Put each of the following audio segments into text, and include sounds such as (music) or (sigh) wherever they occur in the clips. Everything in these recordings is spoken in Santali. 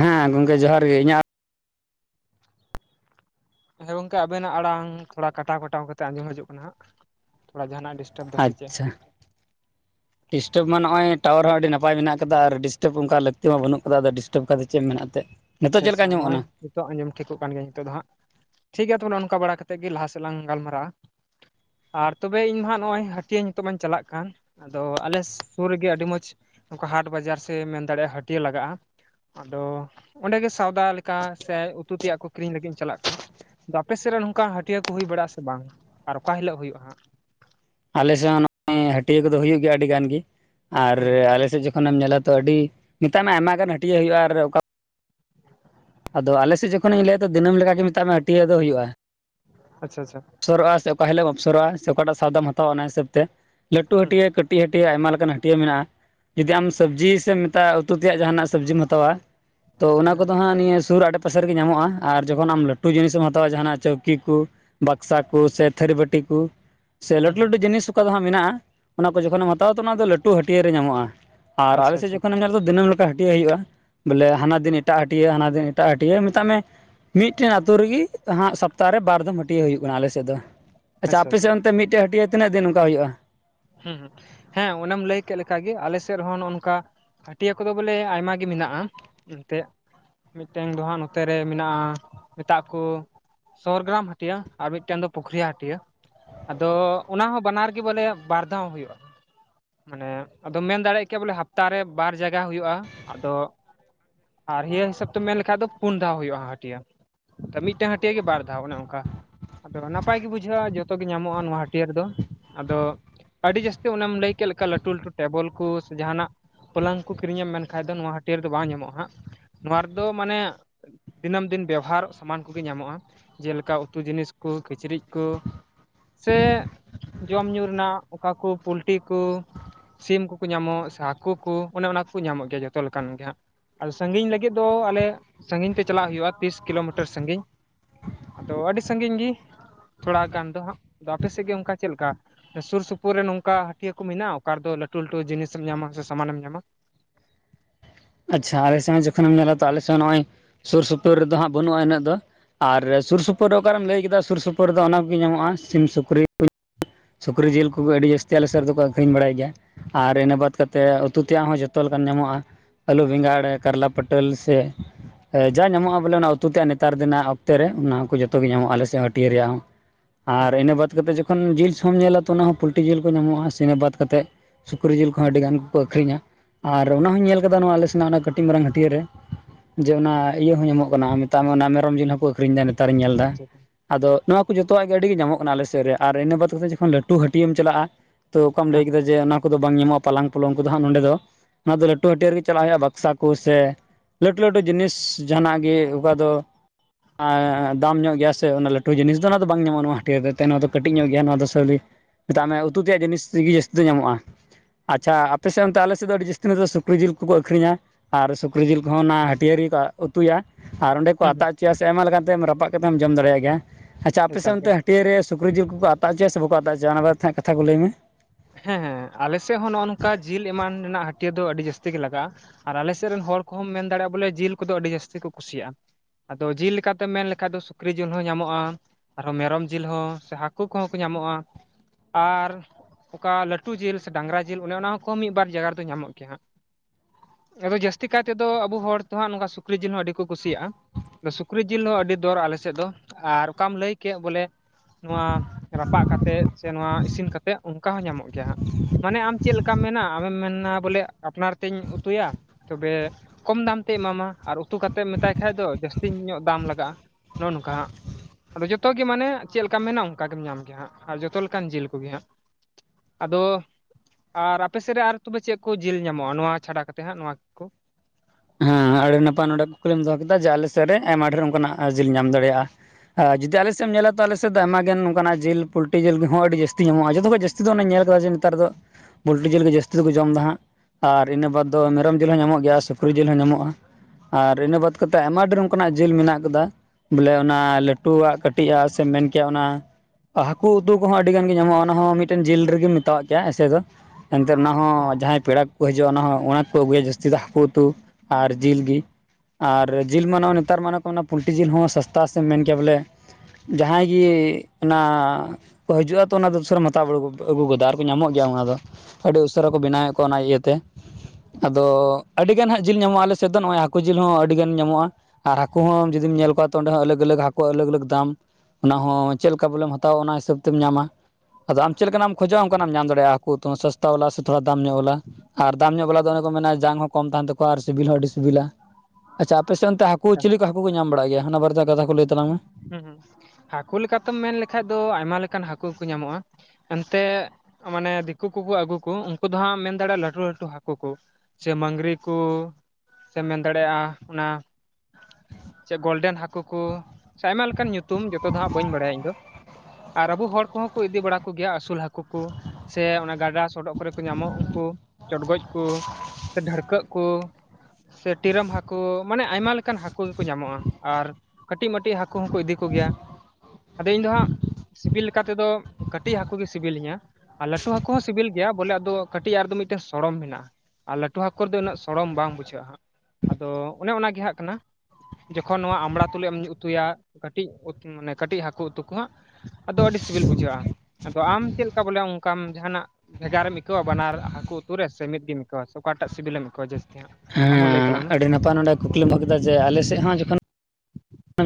ᱦᱮᱸ ᱜᱚᱝᱠᱮ ᱡᱚᱦᱟᱸᱨ ᱜᱮ ᱤᱧᱟᱜᱼᱼ ᱦᱮᱸ ᱜᱚᱢᱠᱮ ᱟᱵᱮᱱᱟᱜ ᱟᱲᱟᱝ ᱛᱷᱳᱲᱟ ᱠᱟᱴᱟᱣ ᱠᱟᱴᱟᱣ ᱠᱟᱛᱮ ᱟᱸᱡᱚᱢ ᱦᱤᱡᱩᱜ ᱠᱟᱱᱟ ᱦᱟᱸᱜ᱾ ᱛᱷᱚᱲᱟ ᱡᱟᱦᱟᱱᱟᱜᱼᱼ ᱟᱪᱪᱷᱟ᱾ ᱰᱤᱥᱴᱟᱵᱽ ᱢᱟ ᱱᱚᱜᱼᱚᱭ ᱴᱟᱣᱟᱨ ᱦᱚᱸ ᱟᱹᱰᱤ ᱱᱟᱯᱟᱭ ᱢᱮᱱᱟᱜ ᱠᱟᱫᱟ ᱟᱨ ᱰᱤᱥᱴᱟᱵᱽ ᱚᱱᱠᱟ ᱞᱟᱹᱠᱛᱤ ᱢᱟ ᱵᱟᱹᱱᱩᱜ ᱠᱟᱫᱟ ᱟᱫᱚ ᱰᱤᱥᱴᱟᱵ ᱠᱷᱟᱡ ᱫᱚ ᱪᱮᱫ ᱢᱮᱱᱟᱜ ᱮᱱᱛᱮᱫ᱾ ᱱᱤᱛᱚᱜ ᱟᱪᱪᱷᱟ ᱪᱮᱫ ᱞᱮᱠᱟ ᱟᱪᱪᱷᱟ ᱟᱸᱡᱚᱢᱚᱜ ᱱᱚᱜᱼᱚᱭ᱾ ᱠᱟᱱᱟ ᱱᱤᱛᱚᱜ ᱟᱸᱡᱚᱢ ᱴᱷᱤᱠᱩᱜ ᱠᱟᱱ ᱜᱮᱭᱟ ᱱᱤᱛᱚᱜ ᱫᱚ ᱦᱟᱸᱜ ᱴᱷᱤᱠ ᱜᱮᱭᱟ ᱛᱚ ᱚᱱᱠᱟ ᱵᱟᱲᱟ ᱠᱟᱛᱮ ᱜᱮ ᱞᱟᱦᱟ ᱥᱮᱫ ᱞᱟᱝ ᱜᱟᱞᱢᱟᱨᱟᱜᱼᱟ᱾ ᱟᱨ ᱛᱚᱵᱮ ᱤᱧ ᱢᱟᱜ ᱱᱚᱜᱼᱚᱭ ᱦᱟᱹᱴᱭᱟᱹ ᱱᱤᱛᱚᱜ ᱢᱟᱧ ᱪᱟᱞᱟᱜ ᱠᱟᱱ᱾ ᱟᱫᱚ ᱟᱞᱮ ᱥᱩᱨ ᱨᱮᱜᱮ ᱟᱹᱰᱤ ᱢᱚᱸᱡᱽ ᱚᱱᱠᱟ ᱦᱟᱴ ᱵᱟᱡᱟᱨ ᱥᱮ ᱢᱮᱱ ᱫᱟᱲᱮᱭᱟᱜᱼᱟ ᱦᱟᱹᱴᱭᱟᱹ ᱞᱟᱜᱟᱜᱼᱟ᱾ ᱟᱫᱚ ᱚᱸᱰᱮ ᱜᱮ ᱥᱚᱣᱫᱟ ᱞᱮᱠᱟ ᱥᱮ ᱩᱛᱩ ᱛᱮᱭᱟᱜ ᱠᱚ ᱠᱤᱨᱤᱧ ᱞᱟᱹᱜᱤᱫ ᱤᱧ ᱪᱟᱞᱟᱜ ᱠᱟᱱᱟ ᱾ ᱟᱫᱚ ᱟᱯᱮ ᱥᱮᱫ ᱨᱮ ᱱᱚᱝᱠᱟ ᱦᱟᱹᱴᱭᱟᱹ ᱠᱚ ᱦᱩᱭ ᱵᱟᱲᱟᱜᱼᱟ ᱥᱮ ᱵᱟᱝ ᱟᱨ ᱚᱠᱟ ᱦᱤᱞᱳᱜ ᱦᱩᱭᱩᱜᱼᱟ ᱦᱟᱸᱜ? ᱟᱞᱮ ᱥᱮᱫ ᱦᱚᱸ ᱱᱚᱜᱼᱚᱭ ᱦᱟᱹᱴᱭᱟᱹ ᱠᱚᱫᱚ ᱦᱩᱭᱩᱜ ᱜᱮᱭᱟ ᱟᱹᱰᱤ ᱜᱟᱱ ᱜᱮ ᱟᱨ ᱦᱩᱸ ᱦᱩᱸ ᱟᱞᱮ ᱥᱮᱫ ᱡᱚᱠᱷᱚᱱ ᱡᱚᱠᱷᱚᱱᱮᱢ ᱧᱮᱞᱟ ᱛᱚ ᱟᱹᱰᱤ ᱢᱮᱛᱟᱜ ᱢᱮ ᱟᱭᱢᱟ ᱜᱟᱱ ᱦᱟᱹᱴᱭᱟᱹ ᱦᱩᱭᱩᱜᱼᱟ, ᱟᱨ ᱚᱠᱟᱼᱼ ᱟᱫᱚ ᱟᱞᱮ ᱥᱮᱫ ᱡᱚᱠᱷᱚᱱᱤᱧ ᱞᱟᱹᱭᱟ ᱫᱚ ᱫᱤᱱᱟᱹᱢ ᱞᱮᱟᱜ ᱜᱮ ᱢᱮᱛᱟᱜ ᱢᱮ ᱦᱟᱹᱴᱭᱟᱹ ᱫᱚ ᱦᱩᱭᱩᱜᱼᱟ᱾ ᱟᱪᱪᱷᱟ ᱟᱪᱪᱷᱟ ᱾ ᱚᱯᱥᱚᱨᱚᱜᱼᱟ ᱥᱮ ᱚᱠᱟ ᱦᱤᱞᱳᱜ ᱵᱟᱢ ᱚᱯᱥᱚᱨᱚᱜᱼᱟ ᱥᱮ ᱚᱠᱟᱴᱟᱜ ᱥᱟᱣᱫᱟᱢ ᱦᱟᱛᱟᱣᱟ ᱚᱱᱟ ᱦᱤᱥᱟᱹᱵ ᱛᱮ ᱞᱟᱹᱴᱩ ᱦᱩᱸ ᱦᱟᱹᱴᱤᱭᱟᱹ ᱠᱟᱹᱴᱤᱡ ᱦᱟᱹᱴᱼᱼ ᱭᱟᱹ ᱟᱭᱢᱟ ᱞᱮᱠᱟᱱ ᱦᱟᱹᱴᱤᱭᱟᱹ ᱢᱮᱱᱟᱜᱼᱟ᱾ ᱡᱩᱫᱤ ᱟᱢ ᱥᱚᱵᱽᱡᱤ ᱥᱮ ᱢᱮᱛᱟᱜ ᱩᱛᱩ ᱛᱮᱭᱟᱜ ᱡᱟᱦᱟᱱᱟᱜ ᱥᱚᱵᱽᱡᱤᱢ ᱦᱟᱛᱟᱣᱟ ᱛᱚ ᱚᱱᱟ ᱦᱮᱸ ᱠᱚᱫᱚ ᱦᱟᱸᱜ ᱱᱤᱭᱟᱹᱼᱼ ᱥᱩᱨ ᱟᱲᱰᱮ ᱯᱟᱥᱮ ᱨᱮᱜᱮ ᱧᱟᱢᱚᱜᱼᱟ ᱟᱨ ᱡᱚᱠᱷᱚᱱ ᱟᱢ ᱞᱟᱹᱴᱩ ᱡᱤᱱᱤᱥᱮᱢ ᱦᱟᱛᱟᱣᱟ ᱡᱟᱦᱟᱱᱟᱜ ᱪᱟᱹᱣᱠᱤ ᱠᱩᱼᱼ ᱵᱟᱠᱥᱟ ᱠᱩ, ᱥᱮ ᱛᱷᱟᱹᱨᱤ ᱵᱟᱹᱴᱤ ᱠᱩ᱾ ᱥᱮ ᱦᱩᱸ ᱞᱟᱹᱴᱩ ᱦᱩᱸ ᱞᱟᱹᱴᱩ ᱡᱤᱱᱤᱥ ᱚᱠᱟ ᱫᱚ ᱦᱟᱸᱜ ᱢᱮᱱᱟᱜᱼᱟ ᱚᱱᱟ ᱠᱚ ᱡᱚᱠᱷᱚᱱᱮᱢ ᱦᱟᱛᱣᱟᱛᱚ ᱚᱱᱟ ᱫᱚ ᱞᱟᱹᱴᱩ ᱦᱟᱹᱴᱭᱟᱹ ᱨᱮ ᱧᱟᱢᱚᱜᱼᱟ᱾ ᱟᱨ ᱟᱪᱪᱷᱟ ᱟᱞᱮ ᱥᱮᱫ ᱟᱪᱪᱷᱟ ᱡᱚᱠᱷᱚᱱᱮᱢ ᱧᱮᱞᱟ ᱫᱤᱱᱟᱹᱢ ᱞᱮᱠᱟ ᱦᱟᱹᱴᱭᱟᱹ ᱦᱩᱭᱩᱜᱼᱟ, ᱵᱚᱞᱮ ᱦᱟᱱᱟ ᱫᱤᱱ ᱮᱴᱟᱜ ᱦᱟᱹᱴᱭᱟᱹ ᱦᱟᱱᱟ ᱫᱤᱱᱼᱼ ᱮᱴᱟᱜ ᱦᱟᱹᱴᱭᱤᱭᱟᱹ ᱢᱮᱛᱟᱜ ᱢᱮ ᱢᱤᱫᱴᱮᱱ ᱟᱹᱛᱩ ᱨᱮᱜᱮ ᱦᱟᱸᱜ ᱥᱚᱯᱛᱟᱦᱚ ᱨᱮ ᱵᱟᱨ ᱫᱚᱢ ᱦᱟᱹᱴᱤᱭᱟᱹ ᱦᱩᱭᱩᱜᱼᱼ ᱠᱟᱱᱟ ᱟᱞᱮᱥᱮᱫ ᱫᱚ, ᱟᱪᱪᱷᱟ ᱟᱯᱮ ᱥᱮᱫ ᱚᱱᱛᱮ ᱢᱤᱫᱴᱮᱡ ᱦᱟᱹᱴᱭᱟᱹ ᱛᱤᱱᱟᱹᱜ ᱫᱤᱱ ᱚᱱᱠᱟ ᱦᱩᱭᱩᱜᱼᱟ? ᱦᱩᱸ ᱦᱩᱸ ᱦᱮᱸ ᱚᱱᱮᱢ ᱞᱟᱹᱭ ᱠᱮᱫ ᱞᱮᱠᱟ ᱜᱮ ᱟᱞᱮ ᱥᱮᱫ ᱨᱮᱦᱚᱸ ᱱᱚᱜᱼᱚ ᱱᱚᱝᱠᱟᱼᱼ ᱦᱟᱹᱴᱤᱭᱟᱹ ᱠᱚᱫᱚ ᱵᱚᱞᱮ ᱟᱭᱢᱟ ᱜᱮ ᱢᱮᱱᱟᱜᱼᱟ, ᱮᱱᱛᱮᱜᱼᱼ ᱢᱤᱫᱴᱮᱱ ᱫᱚ ᱦᱟᱸᱜ ᱱᱚᱛᱮ ᱨᱮ ᱢᱮᱱᱟᱜᱼᱟ, ᱢᱮᱛᱟᱜᱼᱟ ᱠᱩᱼᱼ ᱥᱚᱨ ᱜᱨᱟᱢ ᱦᱟᱹᱴᱭᱟᱹ ᱟᱨ ᱢᱤᱫᱴᱮᱱ ᱫᱚ ᱯᱩᱠᱷᱨᱤᱭᱟ ᱦᱟᱹᱴᱭᱟᱹ ᱟᱫᱚ ᱚᱱᱟ ᱦᱚᱸ ᱵᱟᱱᱟᱨ ᱜᱮ ᱵᱚᱞᱮᱼᱼ ᱵᱟᱨ ᱫᱷᱟᱣ ᱦᱩᱭᱩᱜᱼᱟ᱾ ᱢᱟᱱᱮ ᱟᱫᱚᱢ ᱢᱮᱱ ᱫᱟᱲᱮᱭᱟᱜ ᱠᱮᱭᱟ ᱵᱚᱞᱮ ᱦᱟᱯᱛᱟᱨᱮ ᱵᱟᱨ ᱡᱟᱭᱜᱟ ᱦᱩᱭᱩᱜᱼᱟ, ᱟᱫᱚᱼᱼ ᱟᱨ ᱤᱭᱟᱹ ᱦᱤᱥᱟᱹᱵ ᱛᱮᱢ ᱢᱮᱱ ᱞᱮᱠᱷᱟᱡ ᱫᱚ ᱯᱩᱱ ᱫᱷᱟᱣ ᱦᱩᱭᱩᱜᱼᱟ ᱦᱟᱹᱴᱤᱭᱟᱹ᱾ ᱢᱤᱫᱴᱟᱝ ᱦᱟᱹᱴᱭᱟᱹ ᱜᱮ ᱵᱟᱨ ᱫᱷᱟᱣ ᱚᱱᱮ ᱚᱱᱠᱟ ᱟᱫᱚ ᱱᱟᱯᱟᱭ ᱜᱮ ᱵᱩᱡᱷᱟᱹᱜ᱾ ᱡᱷᱟᱹᱣᱟ ᱡᱚᱛᱚᱜ ᱜᱮ ᱧᱟᱢᱚᱜᱼᱟ ᱱᱚᱣᱟ ᱦᱟᱹᱴᱤᱭᱟᱹ ᱨᱮᱫᱚ ᱟᱫᱚᱼᱼ ᱟᱹᱰᱤ ᱡᱟᱹᱥᱛᱤ ᱚᱱᱮᱢ ᱞᱟᱹᱭ ᱠᱮᱫ ᱞᱮᱠᱟ ᱞᱟᱹᱴᱩ ᱞᱟᱹᱴᱩ ᱴᱮᱵᱚᱞ ᱠᱩ ᱥᱮ ᱡᱟᱦᱟᱱᱟᱜᱼᱼ ᱯᱟᱞᱟᱝ ᱠᱤ ᱠᱤᱨᱤᱧᱮᱢ ᱢᱮᱱᱠᱷᱟᱡ ᱫᱚ ᱱᱚᱣᱟ ᱦᱟᱹᱴᱭᱟᱹ ᱨᱮᱫᱚ ᱵᱟᱝ ᱧᱟᱢᱚᱜᱼᱟ ᱦᱟᱸᱜ ᱱᱚᱣᱟ ᱨᱮᱫᱚ ᱢᱟᱱᱮᱼᱼ ᱫᱤᱱᱟᱹᱢ ᱫᱤᱱ ᱵᱮᱣᱦᱟᱨᱚᱜ ᱥᱟᱢᱟᱱ ᱠᱚᱜᱮ ᱧᱟᱢᱚᱜᱼᱟ ᱡᱮᱞᱮᱠᱟ ᱩᱛᱩ ᱡᱤᱱᱤᱥ ᱠᱩ ᱠᱤᱪᱨᱤᱡ ᱠᱩ ᱥᱮ ᱡᱚᱢ-ᱧᱩ ᱨᱮᱱᱟᱜ ᱚᱠᱟ ᱠᱩ ᱯᱳᱞᱴᱤ ᱠᱩ ᱥᱤᱢ ᱠᱚᱠᱚ ᱧᱟᱢᱚᱜ ᱥᱮ ᱦᱟᱹᱠᱩ ᱠᱩ ᱚᱱᱮ ᱚᱱᱟ ᱠᱩ ᱧᱟᱢᱚᱜ ᱜᱮᱭᱟ ᱡᱚᱛᱚ ᱞᱮᱠᱟᱱ ᱜᱮ ᱦᱟᱸᱜ ᱟᱫᱚ ᱥᱟᱺᱜᱤᱧ ᱞᱟᱹᱜᱤᱫ ᱫᱚ ᱟᱞᱮ ᱥᱟᱺᱜᱤᱧ ᱛᱮ ᱪᱟᱞᱟᱜ ᱦᱩᱭᱩᱜᱼᱟ ᱛᱤᱥ ᱠᱤᱞᱳᱢᱤᱴᱟᱨ ᱥᱟᱺᱜᱤᱧ ᱾ ᱟᱫᱚ ᱟᱹᱰᱤ ᱥᱟᱺᱜᱤᱧ ᱜᱤ ᱛᱷᱚᱲᱟ ᱜᱟᱱ ᱫᱚ ᱦᱟᱸᱜ ᱟᱫᱚ ᱟᱯᱮ ᱥᱮᱫ ᱜᱮ ᱚᱱᱠᱟ ᱪᱮᱫ ᱞᱮᱠᱟ ᱥᱩᱨ ᱥᱩᱯᱩ ᱯᱩᱨ ᱨᱮ ᱱᱚᱝᱠᱟ ᱦᱟᱹᱴᱤᱭᱟᱹ ᱠᱚ ᱢᱮᱱᱟᱜᱼᱟ ᱾ ᱚᱠᱟ ᱨᱮᱫᱚ ᱞᱟᱹᱴᱩ ᱞᱟᱹᱴᱩ ᱡᱤᱱᱤᱥᱮᱢ ᱧᱟᱢᱟ ᱥᱮ ᱥᱟᱢᱟᱱᱮᱢ ᱧᱟᱢᱟ ᱾ ᱟᱪᱪᱷᱟ ᱟᱞᱮ ᱥᱮᱫ ᱦᱚᱸ ᱡᱚᱠᱷᱚᱱᱮᱢ ᱧᱮᱞᱟᱢ ᱛᱚ ᱟᱞᱮ ᱥᱮᱫ ᱱᱚᱜᱚᱭ ᱥᱩᱨ ᱥᱩᱯᱩᱨ ᱨᱮᱫᱚ ᱦᱟᱸᱜ ᱵᱟᱹᱱᱩᱜᱼᱟ ᱤᱱᱟᱹᱜ ᱫᱚ ᱾ ᱟᱨ ᱥᱩᱨ ᱥᱩᱯᱩᱨ ᱨᱮ ᱚᱠᱟᱨᱮᱢ ᱞᱟᱹᱭ ᱠᱮᱫᱟ ᱥᱩᱨ ᱥᱩᱯᱩᱨ ᱨᱮᱫᱚ ᱚᱱᱟ ᱠᱚᱜᱮ ᱧᱟᱢᱚᱜᱼᱟ ᱥᱤᱢ ᱥᱩᱠᱨᱤ ᱠᱚ ᱥᱩᱠᱨᱤ ᱡᱮᱞ ᱠᱚᱜᱮ ᱟᱹᱰᱤ ᱡᱟᱹᱥᱛᱤ ᱟᱞᱮ ᱥᱮᱫ ᱨᱮᱫᱚᱠᱚ ᱟᱹᱠᱷᱨᱤᱧ ᱵᱟᱲᱟᱭ ᱜᱮᱭᱟ ᱾ ᱟᱨ ᱤᱱᱟᱹ ᱵᱟᱛ ᱠᱟᱛᱮᱫ ᱩᱛᱩ ᱛᱮᱭᱟᱜ ᱦᱚᱸ ᱡᱚᱛᱚ ᱞᱮᱠᱟᱱ ᱧᱟᱢᱚᱜᱼᱟ ᱟᱹᱞᱩ ᱵᱮᱸᱜᱟᱲ ᱠᱟᱨᱞᱟ ᱯᱚᱴ ᱴᱟ. ᱞ ᱥᱮ ᱮ ᱡᱟ ᱧᱟᱢᱚᱜᱼᱟ ᱵᱚᱞᱮ ᱚᱱᱟ ᱩᱛᱩ ᱛᱮᱭᱟᱜ ᱱᱮᱛᱟᱨ ᱫᱤᱱᱟᱜ ᱚᱠᱛᱮ ᱨᱮ ᱚᱱᱟ ᱠᱚ ᱡᱚᱛᱚ ᱜᱮ ᱧᱟᱢᱚᱜ ᱟᱞᱮ ᱥᱮᱭᱟᱜ ᱦᱟᱹᱴᱤᱭᱟᱹ ᱨᱮᱭᱟᱜ ᱦᱚᱸ ᱦᱩᱸ ᱟᱨ ᱦᱩᱸ ᱤᱱᱟᱹ ᱵᱟᱛ ᱠᱟᱛᱮ ᱡᱚᱠᱷᱚᱱ ᱡᱤᱞ ᱥᱚᱢ ᱧᱮᱞᱟ ᱛᱚ ᱚᱱᱟ ᱦᱚᱸ ᱯᱳᱞᱴᱤ ᱡᱤᱞ ᱠᱚ ᱧᱟᱢᱚᱜᱼᱟ ᱥᱮ ᱤᱱᱟᱹ ᱵᱟᱛ ᱠᱟᱛᱮᱡ ᱥᱩᱠᱨᱤ ᱡᱤᱞ ᱠᱚᱦᱚᱸ ᱟᱹᱰᱤ ᱜᱟᱱ ᱜᱮᱠᱚ ᱟᱹᱠᱷᱨᱤᱧᱼᱟ ᱟᱨ ᱚᱱᱟ ᱦᱚᱸᱧ ᱧᱮᱞ ᱠᱟᱫᱟ ᱱᱚᱣᱟ ᱟᱞᱮ ᱥᱮᱱᱟᱜ ᱚᱱᱟ ᱠᱟᱹᱴᱤᱡ ᱢᱟᱨᱟᱝ ᱦᱟᱹᱴᱭᱟᱹᱨᱮ ᱾ ᱡᱮ ᱚᱱᱟ ᱤᱭᱟᱹ ᱦᱚᱸ ᱧᱟᱢᱚᱜ ᱠᱟᱱᱟ, ᱢᱮᱛᱟᱜ ᱢᱮ ᱚᱱᱟ ᱢᱮᱨᱚᱢ ᱡᱮᱞ ᱦᱚᱸᱠᱚ ᱟᱠᱷᱨᱤᱧ ᱫᱟ ᱱᱮᱛᱟᱨᱤᱧ ᱧᱮᱞ ᱫᱟ ᱟᱪᱪᱷᱟ ᱟᱪᱪᱷᱟ ᱟᱫᱚ ᱱᱚᱣᱟ ᱠᱚ ᱡᱚᱛᱚᱣᱟᱜ ᱜᱮ ᱟᱹᱰᱤ ᱜᱮ ᱧᱟᱢᱚᱜ ᱠᱟᱱᱟ ᱟᱞᱮ ᱥᱮᱫ ᱨᱮ ᱟᱨ ᱤᱱᱟᱹ ᱵᱟᱫ ᱠᱟᱛᱮ ᱡᱚᱠᱷᱚᱱ ᱞᱟ. ᱴᱩ ᱦᱟᱹᱴᱤᱭᱟᱢ ᱪᱟᱞᱟᱜᱼᱟ ᱾ ᱛᱚ ᱚᱠᱟᱢ ᱞᱟᱹᱭ ᱠᱮᱫᱟ ᱡᱮ ᱚᱱᱟ ᱠᱚᱫᱚ ᱵᱟᱝ ᱧᱟᱢᱚᱜᱼᱟ, ᱯᱟᱞᱟᱝ ᱯᱚᱞᱚᱝ ᱠᱚᱫᱚ ᱦᱟᱸᱜ ᱱᱚᱰᱮ ᱫᱚ ᱚᱱᱟ ᱫᱚ ᱞᱟ. ᱴᱚ ᱦᱟᱹᱴᱤᱭᱟᱹ ᱨᱮᱜᱮ ᱪᱟᱞᱟᱜ ᱦᱩᱭᱩᱜᱼᱟ ᱵᱟᱠᱥᱟ ᱠᱚ ᱥᱮ ᱞᱟᱹᱴᱩ ᱞᱟᱹᱴᱩ ᱡᱤᱱᱤᱥ ᱡᱟᱦᱟᱱᱟᱜ ᱜᱮ, ᱚᱠᱟ ᱫᱚ ᱟ ᱫᱟᱢ ᱧᱚᱜ ᱜᱮᱭᱟ ᱥᱮ ᱚᱱᱟ ᱞᱟᱹᱴᱩ ᱡᱤᱱᱤᱥ ᱫᱚ ᱚᱱᱟ ᱫᱚ ᱵᱟᱝ ᱧᱟᱢᱚᱜᱼᱟ, ᱱᱚᱣᱟ ᱦᱟᱹᱴᱭᱟᱹ ᱨᱮ ᱱᱚᱣᱟ ᱫᱚ ᱠᱟᱹᱴᱤᱡ ᱧᱚᱜ ᱜᱮᱭᱟ ᱱᱚᱣᱟ ᱫᱚ ᱥᱟᱹᱣᱞᱤ ᱢᱮᱛᱟᱜ ᱢᱮ ᱩᱛᱩ ᱛᱮᱭᱟᱜ ᱡᱤᱱᱤᱥ ᱨᱮᱜᱤ ᱡᱟᱥᱛᱤ ᱫᱚ ᱧᱟᱢᱚᱜᱼᱟ ᱾ ᱟᱪᱪᱷᱟ ᱟᱯᱮ ᱥᱮᱫ ᱚᱱᱛᱮ ᱟᱞᱮ ᱥᱮᱫ ᱫᱚ ᱟᱹᱰᱤ ᱡᱟᱹᱥᱛᱤ ᱱᱚᱛᱮ ᱫᱚ ᱥᱩᱠ ᱥᱩᱠᱨᱤ ᱡᱤᱞ ᱠᱚᱠᱚ ᱟᱹᱠᱷᱨᱤᱧᱟ ᱟᱨ ᱥᱩᱠᱨᱤ ᱡᱤᱞ ᱠᱚᱦᱚᱸ ᱚᱱᱟ ᱦᱟᱹᱴᱭᱟᱹ ᱨᱮᱜᱮ ᱠᱚ ᱩᱛᱩᱭᱟ ᱟᱨ ᱚᱸᱰᱮ ᱠᱚ ᱦᱮᱸ ᱦᱩᱸ ᱟᱛᱟᱜ ᱪᱚ ᱪᱚᱭᱟ ᱥᱮ ᱟᱭᱢᱟ ᱞᱮᱠᱟᱛᱮᱢ ᱨᱟᱯᱟᱜ ᱠᱟᱛᱮᱢ ᱡᱚᱢ ᱫᱟᱲᱮᱭᱟᱜ ᱜᱮᱭᱟ ᱟᱪᱪᱷᱟ ᱟᱯᱮᱥᱮᱫ ᱮᱠᱟᱞ ᱜᱮ ᱚᱱᱛᱮ ᱴᱤᱭᱟ. ᱨᱮ ᱥᱩᱠᱨᱤ ᱡᱤᱞ ᱠᱚᱠᱚ ᱟᱛᱟᱜ ᱦᱚᱪᱚᱭᱟ ᱥᱮ ᱵᱟᱠᱚ ᱟᱛᱟ ᱦᱚᱪᱚᱭᱟ ᱚᱱᱟ ᱵᱟᱫ ᱛᱮ ᱦᱮᱸ ᱠᱟᱛᱷᱟ ᱠᱚ ᱞᱟᱹᱭ ᱢᱮ ᱦᱮᱸ ᱦᱮᱸ ᱟᱞᱮᱥᱮᱫ ᱦᱚᱸ ᱱᱚᱜ ᱚ ᱱᱚᱝᱠᱟ ᱡᱤᱞ ᱮᱢᱟᱱ ᱨᱮᱱᱟᱜ ᱦᱟᱹᱴᱤᱭᱟᱹ ᱫᱚ ᱟᱹᱰᱤ ᱡᱟᱹᱥᱛᱤ ᱜᱮ ᱞᱟᱜᱟᱜᱼᱟ ᱾ ᱟᱨ ᱟᱞᱮ ᱥᱮᱫ ᱨᱮᱱ ᱦᱚᱲ ᱠᱚᱦᱚᱢ ᱢᱮᱱ ᱫᱟᱲᱮᱭᱟᱜᱼᱟ, ᱵᱚᱞᱮ ᱡᱤᱞ ᱠᱚᱫᱚ ᱟᱹᱰᱤ ᱡᱟᱹᱥᱛᱤ ᱠᱚ ᱠᱩᱥᱤᱭᱟᱜᱼᱟ ᱾ ᱟᱫᱚ ᱡᱤᱞ ᱞᱮᱠᱟᱛᱮᱢ ᱢᱮᱱ ᱞᱮᱠᱷᱟᱡ ᱫᱚ ᱥᱩᱠᱨᱤ ᱡᱤᱞ ᱦᱚᱸ ᱧᱟᱢᱚᱜᱼᱟ ᱾ ᱟᱨᱦᱚᱸ ᱢᱮᱨᱚᱢ ᱡᱤᱞ ᱦᱚᱸ ᱥᱮ ᱦᱟᱹᱠᱩ ᱠᱚᱦᱚᱸ ᱠᱚ ᱧᱟᱢᱚᱜᱼᱟ ᱟᱨ ᱚᱠᱟ ᱞᱟᱹᱴᱩ ᱡᱤᱞ ᱥᱮ ᱰᱟᱝᱨᱟ ᱡᱮᱞ ᱚᱱᱮ ᱚᱱᱟ ᱦᱚᱸᱠᱚ ᱢᱤᱫ ᱵᱟᱨ ᱡᱟᱜᱟ ᱨᱮᱫᱚ ᱧᱟᱢᱚᱜ ᱜᱮᱭᱟ ᱦᱟᱸᱜ ᱾ ᱟᱫᱚ ᱡᱟᱹᱥᱛᱤ ᱠᱟᱭ ᱛᱮᱫᱚ ᱟᱵᱚ ᱦᱚᱲ ᱛᱚᱦᱟᱸᱜ ᱱᱚᱝᱠᱟ ᱥᱩᱠᱨᱤ ᱡᱤᱞ ᱦᱚᱸ ᱟᱹᱰᱤ ᱠᱚ ᱠᱩᱥᱤᱭᱟᱜᱼᱟ ᱾ ᱥᱩᱠᱨᱤ ᱡᱤᱞ ᱦᱚᱸ ᱟᱹᱰᱤ ᱫᱚᱨ ᱟᱞᱮ ᱥᱮᱫ ᱫᱚ ᱟᱨ ᱚᱠᱟᱢ ᱞᱟᱹᱭ ᱠᱮᱫ ᱵᱚᱞᱮ ᱱᱚᱣᱟ ᱨᱟᱯᱟᱜ ᱠᱟᱛᱮ ᱥᱮ ᱱᱚᱣᱟ ᱤᱥᱤᱱ ᱠᱟᱛᱮᱫ ᱚᱱᱠᱟ ᱧᱟᱢᱚᱜ ᱜᱮᱭᱟ ᱦᱟᱸᱜ ᱢᱟᱱᱮ ᱟᱢ ᱪᱮᱫ ᱞᱮᱠᱟᱢ ᱢᱮᱱᱟ ᱟᱢᱮᱢ ᱢᱮᱱᱟ ᱵᱚᱞᱮ ᱟᱯᱱᱟᱨ ᱛᱤᱧ ᱩᱛᱩᱭᱟ ᱛᱚᱵᱮ ᱠᱚᱢ ᱫᱟᱢ ᱛᱮ ᱮᱢᱟᱢᱟ ᱟᱨ ᱩᱛᱩ ᱠᱟᱛᱮᱫ ᱢᱮᱛᱟᱭ ᱠᱷᱟᱡ ᱫᱚ ᱡᱟᱹᱥᱛᱤ ᱧᱚᱜ ᱫᱟᱢ ᱞᱟᱜᱟᱜᱼᱟ ᱾ ᱱᱚᱜ ᱚ ᱱᱚᱝᱠᱟ ᱦᱟᱸᱜ ᱟᱫᱚ ᱡᱚᱛᱚ ᱜᱮ ᱢᱟᱱᱮ ᱪᱮᱫ ᱞᱮᱠᱟᱢ ᱢᱮᱱᱟ ᱚᱱᱠᱟ ᱜᱮᱢ ᱧᱟᱢ ᱜᱮᱭᱟ ᱦᱟᱸᱜ ᱟᱨ ᱡᱚᱛᱚ ᱞᱮᱠᱟᱱ ᱡᱮᱞ ᱠᱚᱜᱮ ᱦᱟᱸᱜ ᱟᱫᱚ ᱟᱨ ᱟᱯᱮᱥᱮᱫ ᱨᱮ ᱟᱨ ᱛᱚᱵᱮ ᱪᱮᱫ ᱠᱚ ᱡᱤᱞ ᱧᱟᱢᱚᱜᱼᱟ ᱾ ᱱᱚᱣᱟ ᱪᱷᱟᱰᱟ ᱠᱟᱛᱮᱫ ᱦᱟᱸᱜ ᱱᱚᱣᱟ ᱠᱚ ᱦᱮᱸ ᱟᱹᱰᱤ ᱱᱟᱯᱟᱭ ᱱᱚᱰᱮ ᱠᱩᱠᱞᱤᱢ ᱫᱚᱦᱚ ᱠᱮᱫᱟ ᱡᱮ ᱟᱞᱮᱥᱮᱫ ᱨᱮ ᱟᱭᱢᱟ ᱰᱷᱮᱨ ᱚᱱᱠᱟᱱᱟᱜ ᱡᱮᱞ ᱧᱟᱢ ᱫᱟᱲᱮᱭᱟᱜᱼᱟ ᱾ ᱦᱮ ᱡᱩᱫᱤ ᱟᱞᱮ ᱥᱮᱫ ᱮᱢ ᱧᱮᱞᱟ ᱛᱚ ᱟᱞᱮ ᱥᱮᱫ ᱫᱚ ᱟᱭᱢᱟ ᱜᱟᱱ ᱱᱚᱝᱠᱟᱱᱟᱜ ᱡᱮᱞ ᱯᱚᱞᱴᱤ ᱡᱮᱞ ᱦᱚᱸ ᱟᱹᱰᱤ ᱡᱟᱹᱥᱛᱤ ᱧᱟᱢᱚᱜᱼᱟ ᱾ ᱡᱚᱛᱚ ᱠᱷᱚᱡ ᱡᱟᱹᱥ ᱥᱩᱫᱩ ᱚᱱᱟ ᱧᱮᱞ ᱠᱟᱫᱟ ᱡᱮ ᱱᱮᱛᱟᱨ ᱫᱚ ᱯᱚᱞᱴᱤ ᱡᱮᱞ ᱜᱮ ᱡᱟᱹᱥᱛᱤ ᱫᱚᱠᱚ ᱡᱚᱢ ᱫᱟ ᱦᱟᱸᱜ ᱟᱨ ᱤᱱᱟᱹ ᱵᱟᱫᱽ ᱫᱚ ᱢᱮᱨᱚᱢ ᱡᱮᱞ ᱦᱚᱸ ᱧᱟᱢᱚᱜ ᱜᱮᱭᱟ ᱥᱩ ᱥᱩᱠᱨᱤ ᱡᱮᱞ ᱦᱚᱸ ᱧᱟᱢᱚᱜᱼᱟ ᱟᱨ ᱤᱱᱟᱹ ᱵᱟᱫ ᱠᱟᱛᱮᱫ ᱟᱭᱢᱟ ᱰᱷᱮᱨ ᱚᱱᱠᱟᱱᱟᱜ ᱡᱮᱞ ᱢᱮᱱᱟᱜ ᱠᱟᱫᱟ ᱾ ᱵᱚᱞᱮ ᱚᱱᱟ ᱞᱟᱹᱴᱩᱼᱟᱜ ᱠᱟᱹᱴᱤᱡ ᱟᱜ ᱥᱮ ᱢᱮᱱ ᱠᱮᱭᱟ ᱚᱱᱟ ᱦᱟᱹᱠᱩ ᱩᱛᱩ ᱠᱚᱦᱚᱸ ᱟᱹᱰᱤ ᱜᱟᱱ ᱜᱮ ᱧᱟᱢᱚᱜᱼᱟ ᱾ ᱚᱱᱟ ᱦᱚᱸ ᱢᱤᱫᱴᱮᱱ ᱡᱮᱞ ᱨᱮᱜᱮᱢ ᱢᱮᱛᱟᱣᱟᱜ ᱠᱮᱭᱟ ᱮᱥᱮ ᱫᱚ ᱮᱱᱛᱮᱫ ᱚᱱᱟ ᱦᱩᱸ ᱦᱚᱸ ᱡᱟᱦᱟᱸᱭ ᱯᱮᱲᱟ ᱠᱚᱠᱚ ᱦᱤᱡᱩᱜᱼᱟ ᱚᱱᱟ ᱦᱚᱸ ᱚᱱᱟᱠᱚ ᱟᱹᱜᱩᱭᱟ ᱡᱟᱹᱥᱛᱤ ᱫᱚ ᱦᱟᱹᱠᱩ ᱼᱼ ᱛᱩ ᱟᱨ ᱡᱤᱞ ᱜᱤ ᱟᱨ ᱡᱤᱞᱢᱟ ᱱᱚᱸ ᱱᱮᱛᱟᱨ ᱢᱟᱠᱚ ᱚᱱᱟ ᱯᱳᱞᱴᱤ ᱡᱮᱞ ᱦᱚᱸ ᱥᱚᱥᱛᱟ ᱥᱮ ᱢᱮᱱ ᱠᱮᱭᱟ ᱵᱚᱞᱮ ᱡᱟᱦᱟᱸᱭ ᱜᱮ ᱚᱱᱟ ᱠᱚ ᱦᱤᱡᱩᱜᱼᱟ ᱛᱚ ᱚᱱᱟ ᱫᱚᱥᱟᱹᱨᱟᱢ ᱦᱟᱛᱟᱣ ᱟᱹᱜᱩ ᱜᱚᱫᱟ ᱟᱨᱠᱚ ᱧᱟᱢᱚᱜ ᱜᱮᱭᱟ ᱚᱱᱟ ᱫᱚ ᱾ ᱟᱹᱰᱤ ᱩᱥᱟᱹᱨᱟ ᱠᱚ ᱵᱮᱱᱟᱣᱮᱫ ᱠᱚᱣᱟ ᱚᱱᱟ ᱤᱭᱟᱹᱛᱮ ᱟᱫᱚᱻ ᱟᱹᱰᱤ ᱜᱟᱱ ᱦᱟᱸᱜ ᱡᱤᱞ ᱧᱟᱢᱚᱜᱼᱟ ᱟᱞᱮᱥᱮᱫ ᱫᱚ ᱱᱚᱜᱼᱚᱭ ᱦᱟᱹᱠᱩ ᱡᱤᱞ ᱦᱚᱸ ᱟᱹᱰᱤᱜᱟᱱ ᱧᱟᱢᱚᱜᱼᱟ ᱾ ᱟᱨ ᱦᱟᱠᱳ ᱦᱚᱸ ᱡᱩᱫᱤᱢ ᱧᱮᱞ ᱠᱚᱣᱟ ᱛᱚ ᱚᱸᱰᱮ ᱦᱚᱸ ᱟᱞᱳᱜᱽ ᱟᱞᱳᱜᱽ ᱦᱟᱠᱳ ᱟᱞᱳᱜᱽ ᱟᱞᱳᱜᱽ ᱫᱟᱢ। ᱚᱱᱟ ᱦᱚᱸ ᱪᱮᱫ ᱞᱮᱠᱟ ᱵᱚᱞᱮᱢ ᱦᱟᱛᱟᱣᱟ ᱚᱱᱟ ᱦᱤᱥᱟᱹᱵ ᱛᱮᱢ ᱧᱟᱢᱟ। ᱟᱫᱚ ᱟᱢ ᱪᱮᱫ ᱞᱮᱠᱟᱱᱟᱜ ᱮᱢ ᱠᱷᱚᱡᱚᱜᱼᱟ, ᱚᱱᱠᱟ ᱱᱟᱜ ᱮᱢ ᱧᱟᱢ ᱫᱟᱲᱮᱭᱟᱜᱼᱟ ᱦᱟᱹᱠᱩ ᱩᱛᱩ ᱦᱚᱸ ᱥᱟᱥᱛᱟ ᱣᱵᱟᱞᱟ ᱥᱮ ᱛᱷᱚᱲᱟ ᱫᱟᱢ ᱧᱚᱸᱜ ᱵᱟᱞᱟ। ᱟᱨ ᱫᱟᱢ ᱧᱚᱜ ᱵᱟᱞᱟ ᱫᱚ ᱚᱱᱮ ᱦᱩᱸ ᱠᱚ ᱢᱮᱱᱟ ᱡᱟᱝ ᱦᱚᱸ ᱠᱚᱢ ᱛᱟᱦᱮᱱ ᱛᱟᱠᱚᱣᱟ ᱟᱨ ᱥᱤᱵᱤᱞ ᱦᱚᱸ ᱟᱹᱰᱤ ᱥᱤᱵᱤᱞᱟ ᱟᱪᱪᱷᱟ ᱟᱯᱮ ᱥᱮᱫ ᱚᱱᱛᱮ ᱛᱮ ᱦᱟᱹᱠᱩ ᱦᱩᱸ ᱪᱤᱞᱤ ᱠᱚ ᱦᱟᱹᱠᱩ ᱠᱚ ᱧᱟᱢ ᱵᱟᱲᱟᱜ ᱜᱮᱭᱟ ᱚᱱᱟ ᱵᱟᱨᱮ ᱛᱮ ᱠᱟᱛᱷᱟ ᱠᱚ ᱞᱟᱹᱭ ᱛᱟᱞᱟᱝ ᱢᱮ। ᱦᱩᱸ ᱦᱩᱸ ᱦᱟᱠᱩ ᱞᱮᱠᱟ ᱛᱮᱢ ᱢᱮᱱ ᱞᱮᱠᱷᱟᱡ ᱫᱚ ᱟᱭᱢᱟ ᱞᱮᱠᱟᱱ ᱦᱟᱠᱩ ᱠᱚ ᱧᱟᱢᱚᱜᱼᱟ। ᱮᱱᱛᱮᱜ ᱢᱟᱱᱮ ᱫᱤᱠᱩ ᱠᱩ ᱠᱩ ᱟᱹᱜᱩ ᱠᱩ ᱩᱱᱠᱩ ᱫᱚ ᱦᱟᱸᱜ ᱢᱮᱱ ᱫᱟᱲᱮᱭᱟᱜᱼᱟ, ᱞᱟᱹᱴᱩ ᱞᱟᱹᱴᱩ ᱦᱟᱹᱠᱩ ᱠᱚ। ᱪᱮ ᱢᱟᱝᱨᱤ ᱠᱚ ᱥᱮᱢ ᱢᱮᱱ ᱫᱟᱲᱮᱭᱟᱜᱼᱟ ᱚᱱᱟ। ᱪᱮ ᱜᱚᱞᱰᱮᱱ ᱦᱟᱠᱩ ᱠᱚ ᱥᱮ ᱟᱭᱢᱟ ᱞᱮᱠᱟᱱ ᱧᱩᱛᱩᱢ ᱡᱚᱛᱚ ᱫᱚ ᱦᱟᱸᱜ ᱵᱟᱹᱧ ᱵᱟᱲᱟᱭᱟ ᱤᱧ ᱫᱚ᱾ ᱟᱨ ᱟᱹᱵᱩ ᱦᱚᱲ ᱠᱚᱦᱚᱸ ᱠᱚ ᱤᱫᱤ ᱵᱟᱲᱟ ᱠᱚ ᱜᱮᱭᱟ ᱟᱹᱥᱩᱞ ᱦᱟᱠᱩ ᱠᱚ᱾ ᱥᱮ ᱚᱱᱟ ᱜᱟᱰᱟ ᱥᱚᱰᱚᱜ ᱠᱚᱨᱮ ᱠᱚ ᱧᱟᱢᱚᱜ ᱩᱱᱠᱩ ᱪᱚᱰᱜᱚᱡ ᱠᱚ। ᱰᱷᱟᱹᱲᱠᱟᱹᱜ ᱠᱚ। ᱥᱮ ᱴᱤᱨᱟᱹᱢ ᱦᱟᱠᱳ ᱢᱟᱱᱮ ᱟᱭᱢᱟ ᱞᱮᱠᱟᱱ ᱦᱟᱠᱳ ᱜᱮᱠᱚ ᱧᱟᱢᱚᱜᱼᱟ ᱟᱨ ᱠᱟᱹᱴᱤᱡ ᱢᱟᱹᱴᱤᱡ ᱦᱟᱠᱳ। ᱩᱱᱠᱩ ᱦᱚᱸᱠᱚ ᱤᱫᱤ ᱠᱚ ᱜᱮᱭᱟ ᱟᱫᱚ ᱤᱧ ᱫᱚ ᱦᱟᱸᱜ। ᱥᱤᱵᱤᱞ ᱞᱮᱠᱟᱛᱮ ᱫᱚ ᱠᱟᱹᱴᱤᱡ ᱦᱟᱹᱠᱩ ᱜᱮ ᱥᱤᱵᱤᱞᱤᱧᱟ। ᱟᱨ ᱞᱟᱹᱴᱩ ᱦᱟᱹᱠᱚ ᱦᱚᱸ ᱥᱤᱵᱤᱞ ᱜᱮᱭᱟ ᱵᱚᱞᱮ ᱟᱫᱚ ᱠᱟᱹᱴᱤᱡ-ᱟᱜ ᱨᱮ ᱫᱚ ᱢᱤᱫ ᱴᱮᱱ ᱥᱚᱲᱚᱢ ᱢᱮᱱᱟᱜᱼᱟ। ᱟᱨ ᱞᱟᱹᱴᱩ ᱦᱟᱹᱠᱚ ᱨᱮ ᱫᱚ ᱩᱱᱟᱹᱜ ᱥᱚᱲᱚᱢ ᱵᱟᱝ ᱵᱩᱡᱷᱟᱹᱜᱼᱟ, ᱟᱫᱚ ᱚᱱᱮ ᱚᱱᱟ ᱜᱮ ᱦᱟᱸᱜ ᱠᱟᱱᱟ। ᱡᱚᱠᱷᱚᱱ ᱱᱚᱶᱟ ᱟᱢᱲᱟ ᱛᱩᱞᱩᱡ ᱮᱢ ᱩᱛᱩᱭᱟ। ᱠᱟᱹᱴᱤᱡ ᱩᱛᱩ ᱢᱟᱱᱮ ᱠᱟᱹᱴᱤᱡ ᱦᱟᱹᱠᱩ ᱩᱛᱩ ᱠᱚ ᱦᱟᱸᱜ ᱟᱫᱚ ᱟᱹᱰᱤ ᱥᱤᱵᱤᱞ ᱵᱩᱡᱷᱟᱹᱜᱼᱟ ‌। ᱟᱫᱚ ᱟᱢ ᱪᱮᱫ ᱞᱮᱠᱟ ᱵᱚᱞᱮ ᱚᱢᱠᱟᱢ ᱡᱟᱦᱟᱸᱱᱟᱜ ᱵᱷᱮᱜᱟᱨᱮᱢ ᱟᱹᱭᱠᱟᱹᱣᱟ ᱵᱟᱱᱟᱨ ᱦᱟᱹᱠᱩ ᱩᱛᱩ ᱨᱮ ᱥᱮ ᱢᱤᱫ ᱜᱮᱢ ᱟᱹᱭᱟᱹᱣᱟ ᱥᱮ ᱚᱠᱟᱴᱟᱜ ᱥᱤᱵᱤᱞᱮᱢ ᱟᱹᱭᱟᱹᱣᱟ ᱡᱟᱹᱥᱛᱤ? ᱦᱟᱸᱜ ᱟᱢ ᱦᱚᱸ ᱞᱟᱹᱭ ᱦᱩᱸ ᱛᱟᱞᱟᱝ ᱢᱮ ᱟᱹᱰᱤ ᱱᱟᱯᱟᱭ ᱱᱚᱸᱰᱮ ᱠᱩᱠᱞᱤᱢ ᱟᱹᱜᱩ ᱠᱮᱫᱟ ᱡᱮ ᱟᱞᱮ ᱥᱮᱫ ᱦᱚᱸ ᱡᱚᱠᱷᱚᱱ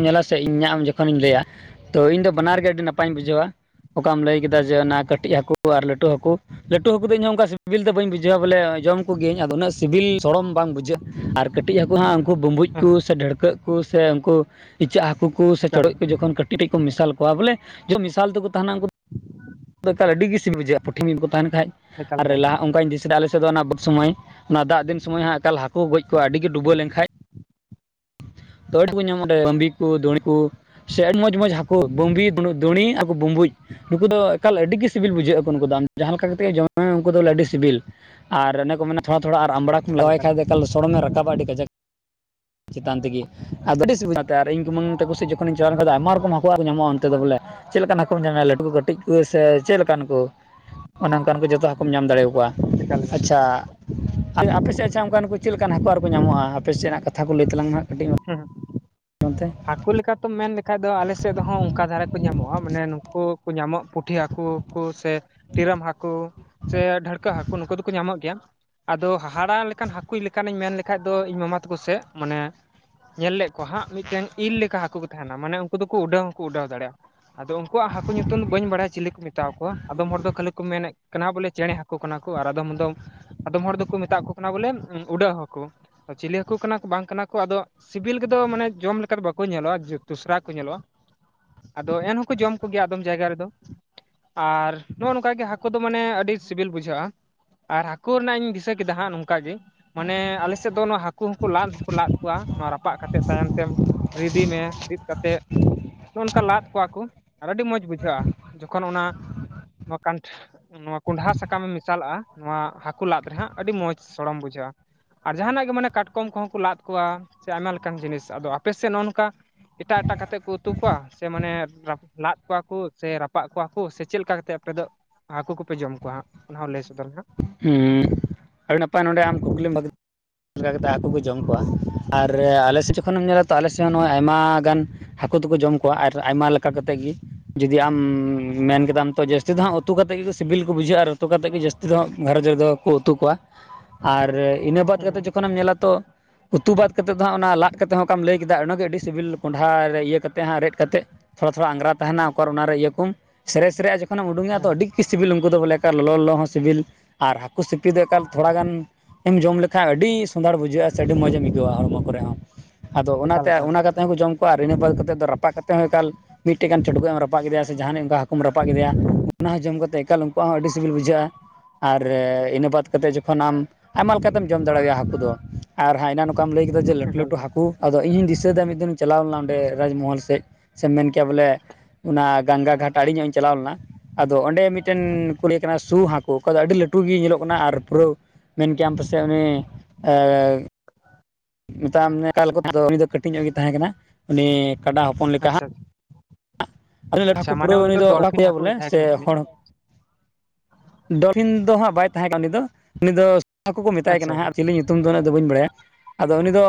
ᱧᱮᱞᱟ ᱥᱮ ᱤᱧᱟᱜ ᱟᱢ ᱡᱚᱠᱷᱚᱱᱤᱧ ᱞᱟᱹᱭᱟ ᱛᱚ ᱤᱧ ᱫᱚ ᱵᱟᱱᱟᱨ ᱜᱮ ᱟᱹᱰᱤ ᱱᱟᱯᱟᱭᱤᱧ ᱵᱩᱡᱷᱟᱹᱣᱟ ᱚᱠᱟᱢ ᱞᱟᱹᱭ ᱠᱮᱫ ᱪᱮᱫᱟᱜ ᱡᱮ ᱚᱱᱟ ᱠᱟᱹᱴᱤᱡ ᱦᱟᱹᱠᱩ ᱟᱨ ᱞᱟᱹᱴᱩ ᱦᱟᱹᱠᱩ᱾ ᱞᱟᱹᱴᱩ ᱦᱟᱹᱠᱩ ᱫᱚ ᱤᱧ ᱦᱚᱸ ᱚᱱᱠᱟ ᱥᱤᱵᱤᱞ ᱫᱚ ᱵᱟᱹᱧ ᱵᱩᱡᱷᱟᱹᱣᱟ ᱵᱚᱞᱮ ᱡᱚᱢ ᱠᱚ ᱜᱤᱭᱟᱹᱧ ᱟᱫᱚ ᱩᱱᱟᱹᱜ ᱥᱤᱵᱤᱞ ᱥᱚᱲᱚᱢ ᱵᱟᱝ ᱵᱩᱡᱷᱟᱹᱜ। ᱟᱨ ᱠᱟᱹᱴᱤᱡ ᱦᱟᱹᱠᱩ ᱦᱟᱸᱜ ᱠᱩ ᱵᱩᱢᱵᱩᱡ ᱠᱩ ᱦᱮᱸ ᱥᱮ ᱰᱷᱟᱹᱲᱠᱟᱹᱜ ᱠᱩ ᱥᱮ ᱩᱱᱠᱩ ᱤᱪᱟᱹᱜ ᱦᱟᱹᱠᱩ ᱠᱚ ᱥᱮ ᱮᱠᱟᱞ ᱪᱚᱲᱜᱚᱡ ᱠᱚ ᱡᱚᱠᱷᱚᱱ ᱠᱟᱹᱴᱤᱡ ᱠᱟᱹᱴᱤᱡ ᱠᱚ ᱢᱮᱥᱟᱞ ᱠᱚᱣᱟ ᱵᱚᱞᱮ ᱡᱚ ᱢᱮᱥᱟᱞ ᱛᱮ ᱠᱚ ᱛᱟᱦᱮᱱᱟ ᱩᱱᱠᱩ ᱟᱫᱚ ᱮᱠᱟᱞ ᱟᱹᱰᱤ ᱜᱮ ᱥᱤᱵᱤᱞ ᱵᱩᱡᱷᱟᱹᱜᱼᱟ ᱯᱩᱴᱷᱤ ᱢᱤᱫ ᱠᱚ ᱛᱟᱦᱮᱱ ᱠᱷᱟᱡ ᱮᱠᱟᱞ ᱟᱨ ᱮᱠᱟᱞ ᱞᱟᱦᱟ ᱚᱱᱠᱟᱧ ᱫᱤᱥᱟᱹᱭᱟ ᱟᱞᱮ ᱥᱮᱫ ᱫᱚ ᱚᱱᱟ ᱵᱟᱹ ᱥᱚᱢᱚᱭ ᱚᱱᱟ ᱫᱟᱜ ᱫᱤᱱ ᱥᱚᱢᱚᱭ ᱦᱟᱸᱜ ᱮᱠᱟᱞ ᱦᱟᱠᱚ ᱠᱚ ᱜᱚᱡ ᱠᱚᱣᱟ ᱟᱹᱰᱤ ᱜᱮ ᱰᱩᱵᱟᱹ ᱞᱮᱱ ᱠᱷᱟᱡ ᱛᱟᱹᱲ ᱠᱚ ᱧᱟᱢᱚᱜ ᱨᱮ ᱵᱟᱹᱢᱵᱤ ᱠᱚ ᱫᱩᱬᱤ ᱠᱚ ᱥᱮ ᱟᱹᱰᱤ ᱢᱚᱡᱽ ᱢᱚᱡᱽ ᱦᱟᱹᱠᱩ ᱵᱟᱹᱢᱵᱤ ᱵᱩᱬᱩ ᱫᱩᱬᱤ ᱟᱨ ᱠᱩ ᱵᱩᱢᱵᱩᱡ। ᱱᱩᱠᱩ ᱫᱚ ᱮᱠᱟᱞ ᱟᱹᱰᱤ ᱜᱮ ᱥᱤᱵᱤᱞ ᱵᱩᱡᱷᱟᱹᱜ ᱟᱠᱚ ᱱᱩᱠᱩ ᱫᱚ ᱟᱢ ᱡᱟᱦᱟᱸ ᱞᱮᱠᱟ ᱠᱟᱛᱮᱜ ᱜᱮ ᱡᱚᱢᱮ ᱢᱮ ᱩᱱᱠᱩ ᱫᱚ ᱵᱚᱞᱮ ᱟᱹᱰᱤ ᱥᱤᱵᱤᱞ। ᱟᱨ ᱚᱱᱮ ᱠᱚ ᱢᱮᱱᱟ ᱛᱷᱚᱲᱟ ᱛᱷᱚᱲᱟ ᱟᱨ ᱟᱢᱵᱽᱲᱟ ᱠᱚᱢ ᱞᱟᱜᱟᱣᱟᱭ ᱠᱷᱟᱡ ᱮᱠᱟᱞ ᱥᱚᱲᱚᱢᱮ ᱨᱟᱠᱟᱵᱟ ᱟᱹᱰᱤ ᱠᱟᱡᱟᱠ। ᱪᱮᱛᱟᱱ ᱛᱮᱜᱮ ᱟᱫᱚ ᱟᱹᱰᱤ ᱥᱤᱵᱤᱞ। ᱟᱨ ᱤᱧ ᱠᱩᱢᱟᱹᱝ ᱛᱟᱠᱩ ᱥᱮᱡ ᱡᱚᱠᱷᱚᱱᱤᱧ ᱪᱟᱞᱟᱣ ᱞᱮᱱ ᱠᱷᱟᱱ ᱟᱭᱢᱟ ᱨᱚᱠᱚᱢ ᱦᱟᱠᱳ ᱟᱨ ᱠᱚ ᱧᱟᱢᱚᱜᱼᱟ ᱚᱱᱛᱮ ᱫᱚ ᱵᱚᱞᱮ। ᱪᱮᱫ ᱞᱮᱠᱟᱱ ᱦᱟᱠᱳᱢ ᱧᱟᱢᱮᱭᱟ ᱞᱟᱹᱴᱩ ᱠᱚ ᱠᱟᱹᱴᱤᱡ ᱠᱚ ᱥᱮ ᱪᱮᱫ ᱞᱮᱠᱟᱱ ᱠᱚ? ᱚᱱᱮ ᱚᱱᱠᱟᱱ ᱠᱚ ᱡᱚᱛᱚ ᱦᱟᱠᱳᱢ ᱧᱟᱢ ᱫᱟᱲᱮᱣ ᱟᱠᱚᱣᱟ ᱮᱠᱟᱞ ᱮᱠᱟᱞ ᱟᱪᱷᱟ। ᱟᱜ ᱟᱯᱮ ᱥᱮᱫ ᱟᱪᱷᱟ ᱚᱱᱠᱟᱱ ᱠᱚ ᱪᱮᱫ ᱞᱮᱠᱟᱱ ᱦᱟᱠᱳ ᱟᱨ ᱠᱚ ᱧᱟᱢᱚᱜᱼᱟ ᱟᱯᱮ ᱥᱮᱱᱟᱜ ᱠᱟᱛᱷᱟ ᱠᱚ ᱞᱟᱹᱭ ᱛᱟᱞᱟᱝ ᱢᱮ ᱦᱟᱸᱜ ᱠᱟᱹᱴᱤᱡ ᱦᱩᱸ ᱚᱱᱛᱮ ᱦᱟᱠᱩ ᱞᱮᱠᱟ ᱛᱮᱢ ᱢᱮᱱ ᱞᱮᱠᱷᱟᱡ ᱫᱚ ᱟᱞᱮ ᱥᱮᱫ ᱫᱚ ᱦᱚᱸ ᱚᱱᱠᱟ ᱫᱷᱟᱨᱟ ᱠᱚ ᱧᱟᱢᱚᱜᱼᱟ, ᱢᱟᱱᱮ ᱱᱩᱠᱩ ᱠᱚ ᱧᱟᱢᱚᱜ ᱯᱩᱴᱷᱤ ᱦᱟᱠᱩ ᱠᱩ ᱥᱮ ᱴᱤᱨᱟᱹᱢ ᱦᱟᱹᱠᱩ ᱥᱮ ᱰᱟᱹᱲᱠᱟᱹ ᱦᱟᱹᱠᱩ ᱱᱩᱠᱩ ᱫᱚᱠᱚ ᱧᱟᱢᱚᱜ ᱜᱮᱭᱟ। ᱟᱫᱚ ᱦᱟᱦᱟᱲᱟ ᱞᱮᱠᱟᱱ ᱦᱟᱠᱩᱭ ᱞᱮᱠᱟᱱᱤᱧ ᱢᱮᱱ ᱞᱮᱠᱷᱟᱡ ᱫᱚ ᱤᱧ ᱢᱟᱢᱟ ᱛᱟᱠᱚ ᱥᱮᱫ ᱢᱟᱱᱮ ᱧᱮᱞ ᱞᱮᱫ ᱠᱚ ᱦᱟᱸᱜ ᱢᱤᱫ ᱴᱮᱱ ᱤᱞ ᱞᱮᱠᱟ ᱦᱟᱹᱠᱩ ᱦᱚᱸ ᱠᱚ ᱛᱟᱦᱮᱱᱟ ᱢᱟᱱᱮ ᱩᱱᱠᱩ ᱫᱚ ᱠᱚ ᱩᱰᱟᱹᱣ ᱦᱚᱸᱠᱚ ᱩᱰᱟᱹᱣ ᱫᱟᱲᱮᱭᱟᱜᱼᱟ। ᱟᱫᱚ ᱩᱱᱠᱩᱣᱟᱜ ᱦᱟᱹᱠᱩ ᱧᱩᱛᱩᱢ ᱫᱚ ᱵᱟᱹᱧ ᱵᱟᱲᱟᱭᱟ ᱪᱤᱞᱤ ᱠᱚ ᱢᱮᱛᱟᱣ ᱠᱚᱣᱟ ᱟᱫᱚᱢ ᱦᱚᱲ ᱫᱚ ᱠᱷᱟᱹᱞᱤ ᱠᱚ ᱢᱮᱱᱮᱫ ᱠᱟᱱᱟ ᱵᱚᱞᱮ ᱪᱮᱬᱮ ᱦᱟᱹᱠᱩ ᱠᱟᱱᱟ ᱠᱚ ᱟᱨ ᱟᱫᱚᱢ ᱫᱚᱢ ᱟᱫᱚᱢ ᱦᱚᱲ ᱫᱚ ᱠᱚ ᱢᱮᱛᱟᱜ ᱠᱚ ᱠᱟᱱᱟ ᱵᱚᱞᱮ ᱩᱰᱟᱹᱜ ᱦᱟᱹᱠᱩ। ᱪᱤᱞᱤ ᱦᱟᱹᱠᱩ ᱠᱟᱱᱟ ᱠᱚ ᱵᱟᱝ ᱠᱟᱱᱟ ᱠᱚ ᱟᱫᱚ ᱥᱤᱵᱤᱞ ᱜᱮ ᱫᱚ ᱢᱟᱱᱮ ᱡᱚᱢ ᱞᱮᱠᱟ ᱫᱚ ᱵᱟᱠᱚ ᱧᱮᱞᱚᱜ-ᱟ ᱡᱚ ᱫᱩᱥᱨᱟ ᱜᱮ ᱠᱚ ᱧᱮᱞᱚᱜ-ᱟ ᱟᱫᱚ ᱮᱱᱦᱚᱸ ᱠᱚ ᱡᱚᱢ ᱠᱚ ᱜᱮᱭᱟ ᱟᱫᱚᱢ ᱡᱟᱭᱜᱟ ᱨᱮ ᱫᱚ ᱟᱨ ᱱᱚᱦᱚᱸ ᱱᱚᱝᱠᱟ ᱜᱮ ᱦᱟᱠᱚ ᱫᱚ ᱢᱟᱱᱮ ᱟᱹᱰᱤ ᱥᱤᱵᱤᱞ ᱵᱩᱡᱷᱟᱹᱜ-ᱟ ᱟᱨ ᱦᱟᱹᱠᱩ ᱨᱮᱱᱟᱜ ᱤᱧ ᱫᱤᱥᱟᱹ ᱠᱮ ᱫᱟ ᱦᱟᱸᱜ ᱱᱩᱝᱠᱟ ᱜᱤ ᱢᱟᱱᱮ ᱟᱞᱮ ᱥᱮᱫ ᱫᱚ ᱱᱚᱣᱟ ᱦᱟᱸᱠᱩ ᱦᱚᱸ ᱠᱚ ᱞᱟᱫ ᱦᱚᱸ ᱠᱚ ᱞᱟᱫ ᱠᱚᱣᱟ ᱱᱚᱣᱟ ᱨᱟᱯᱟᱜ ᱠᱟᱛᱮᱫ ᱛᱟᱭᱚᱢ ᱛᱮᱢ ᱨᱤᱫᱤ ᱢᱮ ᱨᱤᱫ ᱠᱟᱛᱮᱫ ᱱᱚᱜ ᱚᱝᱠᱟ ᱞᱟᱫ ᱠᱚᱣᱟ ᱠᱚ ᱟᱨ ᱟᱹᱰᱤ ᱢᱚᱸᱡᱽ ᱵᱩᱡᱷᱟᱹᱜ-ᱟ ᱡᱚᱠᱷᱚᱱ ᱚᱱᱟ ᱱᱚᱣᱟ ᱠᱟᱱᱴᱷ ᱱᱩᱣᱟ ᱠᱩᱸᱱᱰᱷᱟ ᱥᱟᱠᱟᱢᱮᱢ ᱢᱤᱥᱟᱞᱟᱜ-ᱟ ᱱᱩᱣᱟ ᱦᱟᱹᱠᱩ ᱞᱟᱫ ᱨᱮᱦᱟᱸᱜ ᱟᱹᱰᱤ ᱢᱚᱸᱡᱽ ᱥᱚᱲᱚᱢ ᱵᱩᱡᱷᱟᱹᱜ-ᱟ ᱟᱨ ᱡᱟᱦᱟᱱᱟᱜ ᱜᱮ ᱢᱟᱱᱮ ᱠᱟᱴᱠᱚᱢ ᱠᱚ ᱦᱚᱸ ᱠᱚ ᱞᱟᱫ ᱠᱚᱣᱟ ᱥᱮ ᱟᱭᱢᱟ ᱞᱮᱠᱟᱱ ᱡᱤᱱᱤᱥ ᱟᱫᱚ ᱟᱯᱮ ᱥᱮᱫ ᱱᱚᱜ ᱱᱚᱝᱠᱟ ᱮᱴᱟᱜ ᱮᱴᱟᱜ ᱠᱟᱛᱮᱜ ᱠᱚ ᱩᱛᱩ ᱠᱚᱣᱟ ᱥᱮ ᱢᱟᱱᱮ ᱨᱟᱯ (inaudible) ᱞᱟᱫ ᱠᱚᱣᱟ ᱠᱩ ᱥᱮ ᱨᱟᱯᱟᱜ ᱠᱚᱣᱟ ᱠᱩ ᱥᱮ ᱪᱮᱫ ᱞᱮᱠᱟ ᱠᱟ ᱛᱮᱜ ᱟᱯᱮᱫᱚᱜ ᱦᱟᱸᱠᱩ ᱠᱚᱯᱮ ᱡᱚᱢ ᱠᱚᱣᱟ ᱦᱟᱸᱜ ᱚᱱᱟ ᱦᱚᱸ ᱞᱟᱹᱭ ᱥᱚᱫᱚᱨ ᱢᱮ ᱦᱟᱸᱜ ᱦᱩᱸᱜ ᱟᱹᱰᱤ ᱱᱟᱯᱟᱭ ᱱᱚᱰᱮ ᱟᱢ ᱠᱩᱠᱞᱤᱢ ᱵᱷᱟᱹᱜᱤ ᱪᱮᱜ ᱞᱮᱠᱟ ᱠᱟᱛᱮᱫ ᱦᱟᱠᱩ ᱠᱚ ᱡᱚᱢ ᱠᱚᱣᱟ ᱟᱨ ᱟᱞᱮᱥᱮᱫ ᱡᱚᱠᱷᱚᱱᱮᱢ ᱧᱮᱞᱟ ᱛᱚ ᱟᱞᱮ ᱥᱮᱫ ᱦᱚᱸ ᱱᱚᱜ ᱚᱭ ᱟᱭᱢᱟ ᱜᱟᱱ ᱦᱟᱠᱩ ᱫᱚ ᱠᱚ ᱡᱚᱢ ᱠᱚᱣᱟ ᱟᱨ ᱟᱭᱢᱟ ᱞᱮᱠᱟ ᱠᱟᱛᱨᱜ ᱜᱤ ᱡᱩᱫᱤ ᱟᱢ ᱢᱮᱱ ᱠᱮᱫᱟᱢ ᱛᱚ ᱡᱟᱹᱥᱛᱤ ᱫᱚ ᱦᱟᱜ ᱩᱛᱩ ᱠᱟᱛᱮᱜ ᱜᱮᱠᱚ ᱥᱤᱵᱤᱞ ᱠᱚ ᱵᱩᱡᱷᱟᱹᱜ-ᱟ ᱟᱨ ᱩᱛᱩ ᱠᱟᱛᱮᱜ ᱜᱮ ᱡᱟᱹᱥᱛᱤ ᱫᱚ ᱜᱷᱟᱨᱚᱸᱡᱽ ᱨᱮ ᱫᱚ ᱠᱚ ᱩᱛᱩ ᱠᱚᱣᱟ ᱟᱨ ᱤᱱᱟᱹ ᱵᱟᱫ ᱠᱟᱛᱮ ᱦᱮᱸ ᱡᱚᱠᱷᱚᱱᱮᱢ ᱧᱮᱞᱟ ᱛᱚ ᱩᱛᱩ ᱵᱟᱫᱽ ᱠᱟᱛᱮᱫ ᱫᱚ ᱦᱟᱸᱜ ᱚᱱᱟ ᱞᱟᱜ ᱠᱟᱛᱮ ᱦᱚᱸ ᱚᱠᱟᱢ ᱞᱟᱹᱭ ᱠᱮᱫᱟ ᱚᱱᱟᱜᱮ ᱟᱹᱰᱤ ᱥᱤᱵᱤᱞ ᱠᱚᱸᱰᱷᱟ ᱨᱮ ᱤᱭᱟᱹ ᱠᱟᱛᱮ ᱦᱟᱸᱜ ᱨᱮᱫ ᱠᱟᱛᱮᱜ ᱛᱷᱚᱲᱟ ᱛᱷᱚᱲᱟ ᱟᱝᱜᱽᱨᱟ ᱛᱟᱦᱮᱱᱟ ᱚᱠᱚᱨ ᱚᱱᱟᱨᱮ ᱤᱭᱟᱹ ᱠᱚᱢ ᱥᱮᱨᱮ ᱥᱮᱨᱮᱜ-ᱟ ᱡᱚᱠᱷᱚᱱᱮᱢ ᱩᱰᱩᱝ ᱟᱛᱚ ᱦᱮᱸ ᱫᱚ ᱟᱹᱰᱤᱜ ᱜᱤ ᱥᱤᱵᱤᱞ ᱩᱱᱠᱩ ᱫᱚ ᱵᱚᱞᱮ ᱠᱚ ᱞᱚᱞᱚ ᱦᱚᱸ ᱥᱤᱵᱤᱞ ᱟᱨ ᱦᱟᱠᱩ ᱥᱤᱯᱤ ᱫᱚ ᱮᱠᱟᱞ ᱛᱷᱚᱲᱟ ᱜᱟᱱ ᱮᱢ ᱡᱚᱢ ᱞᱮᱠᱷᱟᱜ ᱟᱹᱰᱤ ᱥᱚᱱᱫᱷᱟᱲ ᱵᱩᱡᱷᱟᱹᱜ-ᱟ ᱥᱮ ᱟᱹᱰᱤ ᱢᱚᱡᱽ ᱮᱢ ᱤᱭᱠᱟᱹᱣᱟ ᱦᱚᱲᱢᱚ ᱠᱚ ᱨᱮ ᱦᱚᱸ ᱟᱫᱚ ᱮᱠᱟᱞ ᱚᱱᱟᱛᱮ ᱮᱠᱟᱞ ᱚᱱᱟ ᱠᱟᱛ ᱛᱮᱦᱚᱸ ᱠᱚ ᱡᱚᱢ ᱠᱚᱣᱟ ᱟᱨ ᱤᱱᱟᱹ ᱵᱟᱫᱽ ᱠᱟᱛᱮᱫ ᱫᱚ ᱨᱟᱯᱟᱜ ᱠᱟᱛᱮ ᱦᱚᱸ ᱮᱠᱟᱞ ᱢᱤᱜ ᱴᱮᱜ ᱜᱟᱱ ᱪᱚᱰᱜᱚᱡ ᱮᱢ ᱨᱟᱯᱟᱜ ᱠᱮᱫᱮᱭᱟ ᱥᱮᱡᱟᱦᱟᱱᱤᱡ ᱚᱱᱠᱟ ᱦᱟᱠᱩ ᱨᱟᱯᱟᱜ ᱠᱮᱫᱮᱭᱟ ᱚᱱᱟ ᱦᱚᱸ ᱡᱚᱢ ᱠᱟᱛᱮ ᱮᱠᱟᱞ ᱩᱱᱠᱩᱣᱟᱜ ᱦᱚᱸ ᱟᱹᱰᱤ ᱥᱤᱵᱤᱞ ᱵᱩᱡᱷᱟᱹᱜᱼᱟ ᱾ ᱟᱨ ᱤᱱᱟᱹ ᱵᱟᱫᱽ ᱠᱟᱛᱮ ᱡᱚᱠᱷᱚᱱ ᱱᱟᱢ ᱟᱭᱢᱟ ᱞᱮᱠᱟᱛᱮᱢ ᱡᱚᱢ ᱫᱟᱲᱮᱣᱟᱭᱟ ᱦᱟᱹᱠᱩ ᱫᱚ ᱟᱨ ᱦᱟᱸᱜ ᱮᱱᱟᱱ‌ ᱚᱠᱟ ᱛᱟᱢ ᱞᱟᱹᱭ ᱠᱮᱫᱟ ᱡᱮ ᱞᱟᱹᱴᱩ ᱮᱠᱟᱞ ᱞᱟᱹᱴᱩ ᱮᱠᱟᱞ ᱦᱟᱹᱠᱩ ᱟᱫᱚ ᱤᱧ ᱦᱚᱹᱧ ᱫᱤᱥᱟᱹᱭ ᱫᱟ ᱢᱤᱫ ᱫᱤᱱᱤᱧ ᱪᱟᱞᱟᱣ ᱞᱮᱱᱟ ᱚᱸᱰᱮ ᱨᱟᱡᱽᱢᱚᱦᱚᱞ ᱥᱮᱫ ᱥᱮᱢ ᱢᱮᱱ ᱠᱮᱭᱟ ᱵᱚᱞᱮ ᱚᱱᱟ ᱜᱟᱝᱜᱟ ᱜᱷᱟᱴ ᱟᱲᱤ ᱧᱚᱜ ᱤᱧ ᱪᱟᱞᱟᱣ ᱞᱮᱱᱟ ᱟᱫᱚ ᱚᱸᱰᱮ ᱢᱤᱫᱴᱮᱱ ᱟᱪᱪᱷᱟ ᱠᱩ ᱞᱤᱭᱮ ᱠᱟᱱᱟ ᱥᱩ ᱦᱟᱹᱠᱩ ᱚᱠᱟ ᱫᱚ ᱟᱹᱰᱤ ᱞᱟᱹᱴᱩ ᱜᱤ ᱧᱮᱞᱚᱜ ᱠᱟᱱᱟ ᱟᱨ ᱯᱩᱨᱟᱹᱣ ᱢᱮᱱ ᱠᱮᱭᱟᱢ ᱯᱟᱥᱮᱡ ᱩᱱᱤ ᱮᱻ ᱢᱮᱛᱟᱢ (inaudible) ᱩᱱᱤ ᱫᱚ ᱠᱟᱹᱴᱤᱡ ᱧᱚᱜ ᱜᱤ ᱛᱟᱦᱮᱸ ᱠᱟᱱᱟ ᱩᱱᱤ ᱠᱟᱰᱟ ᱦᱚᱯᱚᱱ ᱞᱮᱠᱟ ᱦᱟᱜ ᱟᱪᱪᱷᱟ ᱟᱹᱰᱤ (inaudible) ᱟᱪᱪᱷᱟ ᱦᱟᱠᱩ ᱢᱟᱱᱮ ᱯᱩᱨᱟᱹᱣ ᱩᱱᱤ ᱫᱚ ᱰᱚᱞᱯᱷᱤᱱ (inaudible) ᱦᱟᱹᱠᱩᱭ ᱵᱚᱞᱮ ᱛᱟᱦᱮᱸ ᱥᱮ ᱠᱟᱱᱟ ᱡᱟᱹᱱᱤᱡ ᱦᱟᱲ ᱰᱚᱞᱯᱷᱤᱱ ᱫᱚ ᱦᱟᱸᱜ ᱵᱟᱭ ᱛᱟᱦᱮᱸ ᱠᱟᱱᱟ ᱩᱱᱤ ᱫᱚ ᱩᱱᱤ ᱫᱚ ᱟᱠᱩ ᱠᱚ ᱢᱮᱛᱟᱭ ᱟᱪᱪᱷᱟ ᱠᱟᱱᱟ ᱦᱟᱸᱜ ᱟᱨ ᱪᱤᱞᱤ ᱧᱩᱛᱩᱢ ᱫᱚ ᱩᱱᱟᱹᱜ ᱫᱚ ᱵᱟᱹᱧ ᱵᱟᱲᱟᱭᱟ ᱟᱫᱚ ᱩᱱᱤ ᱫᱚ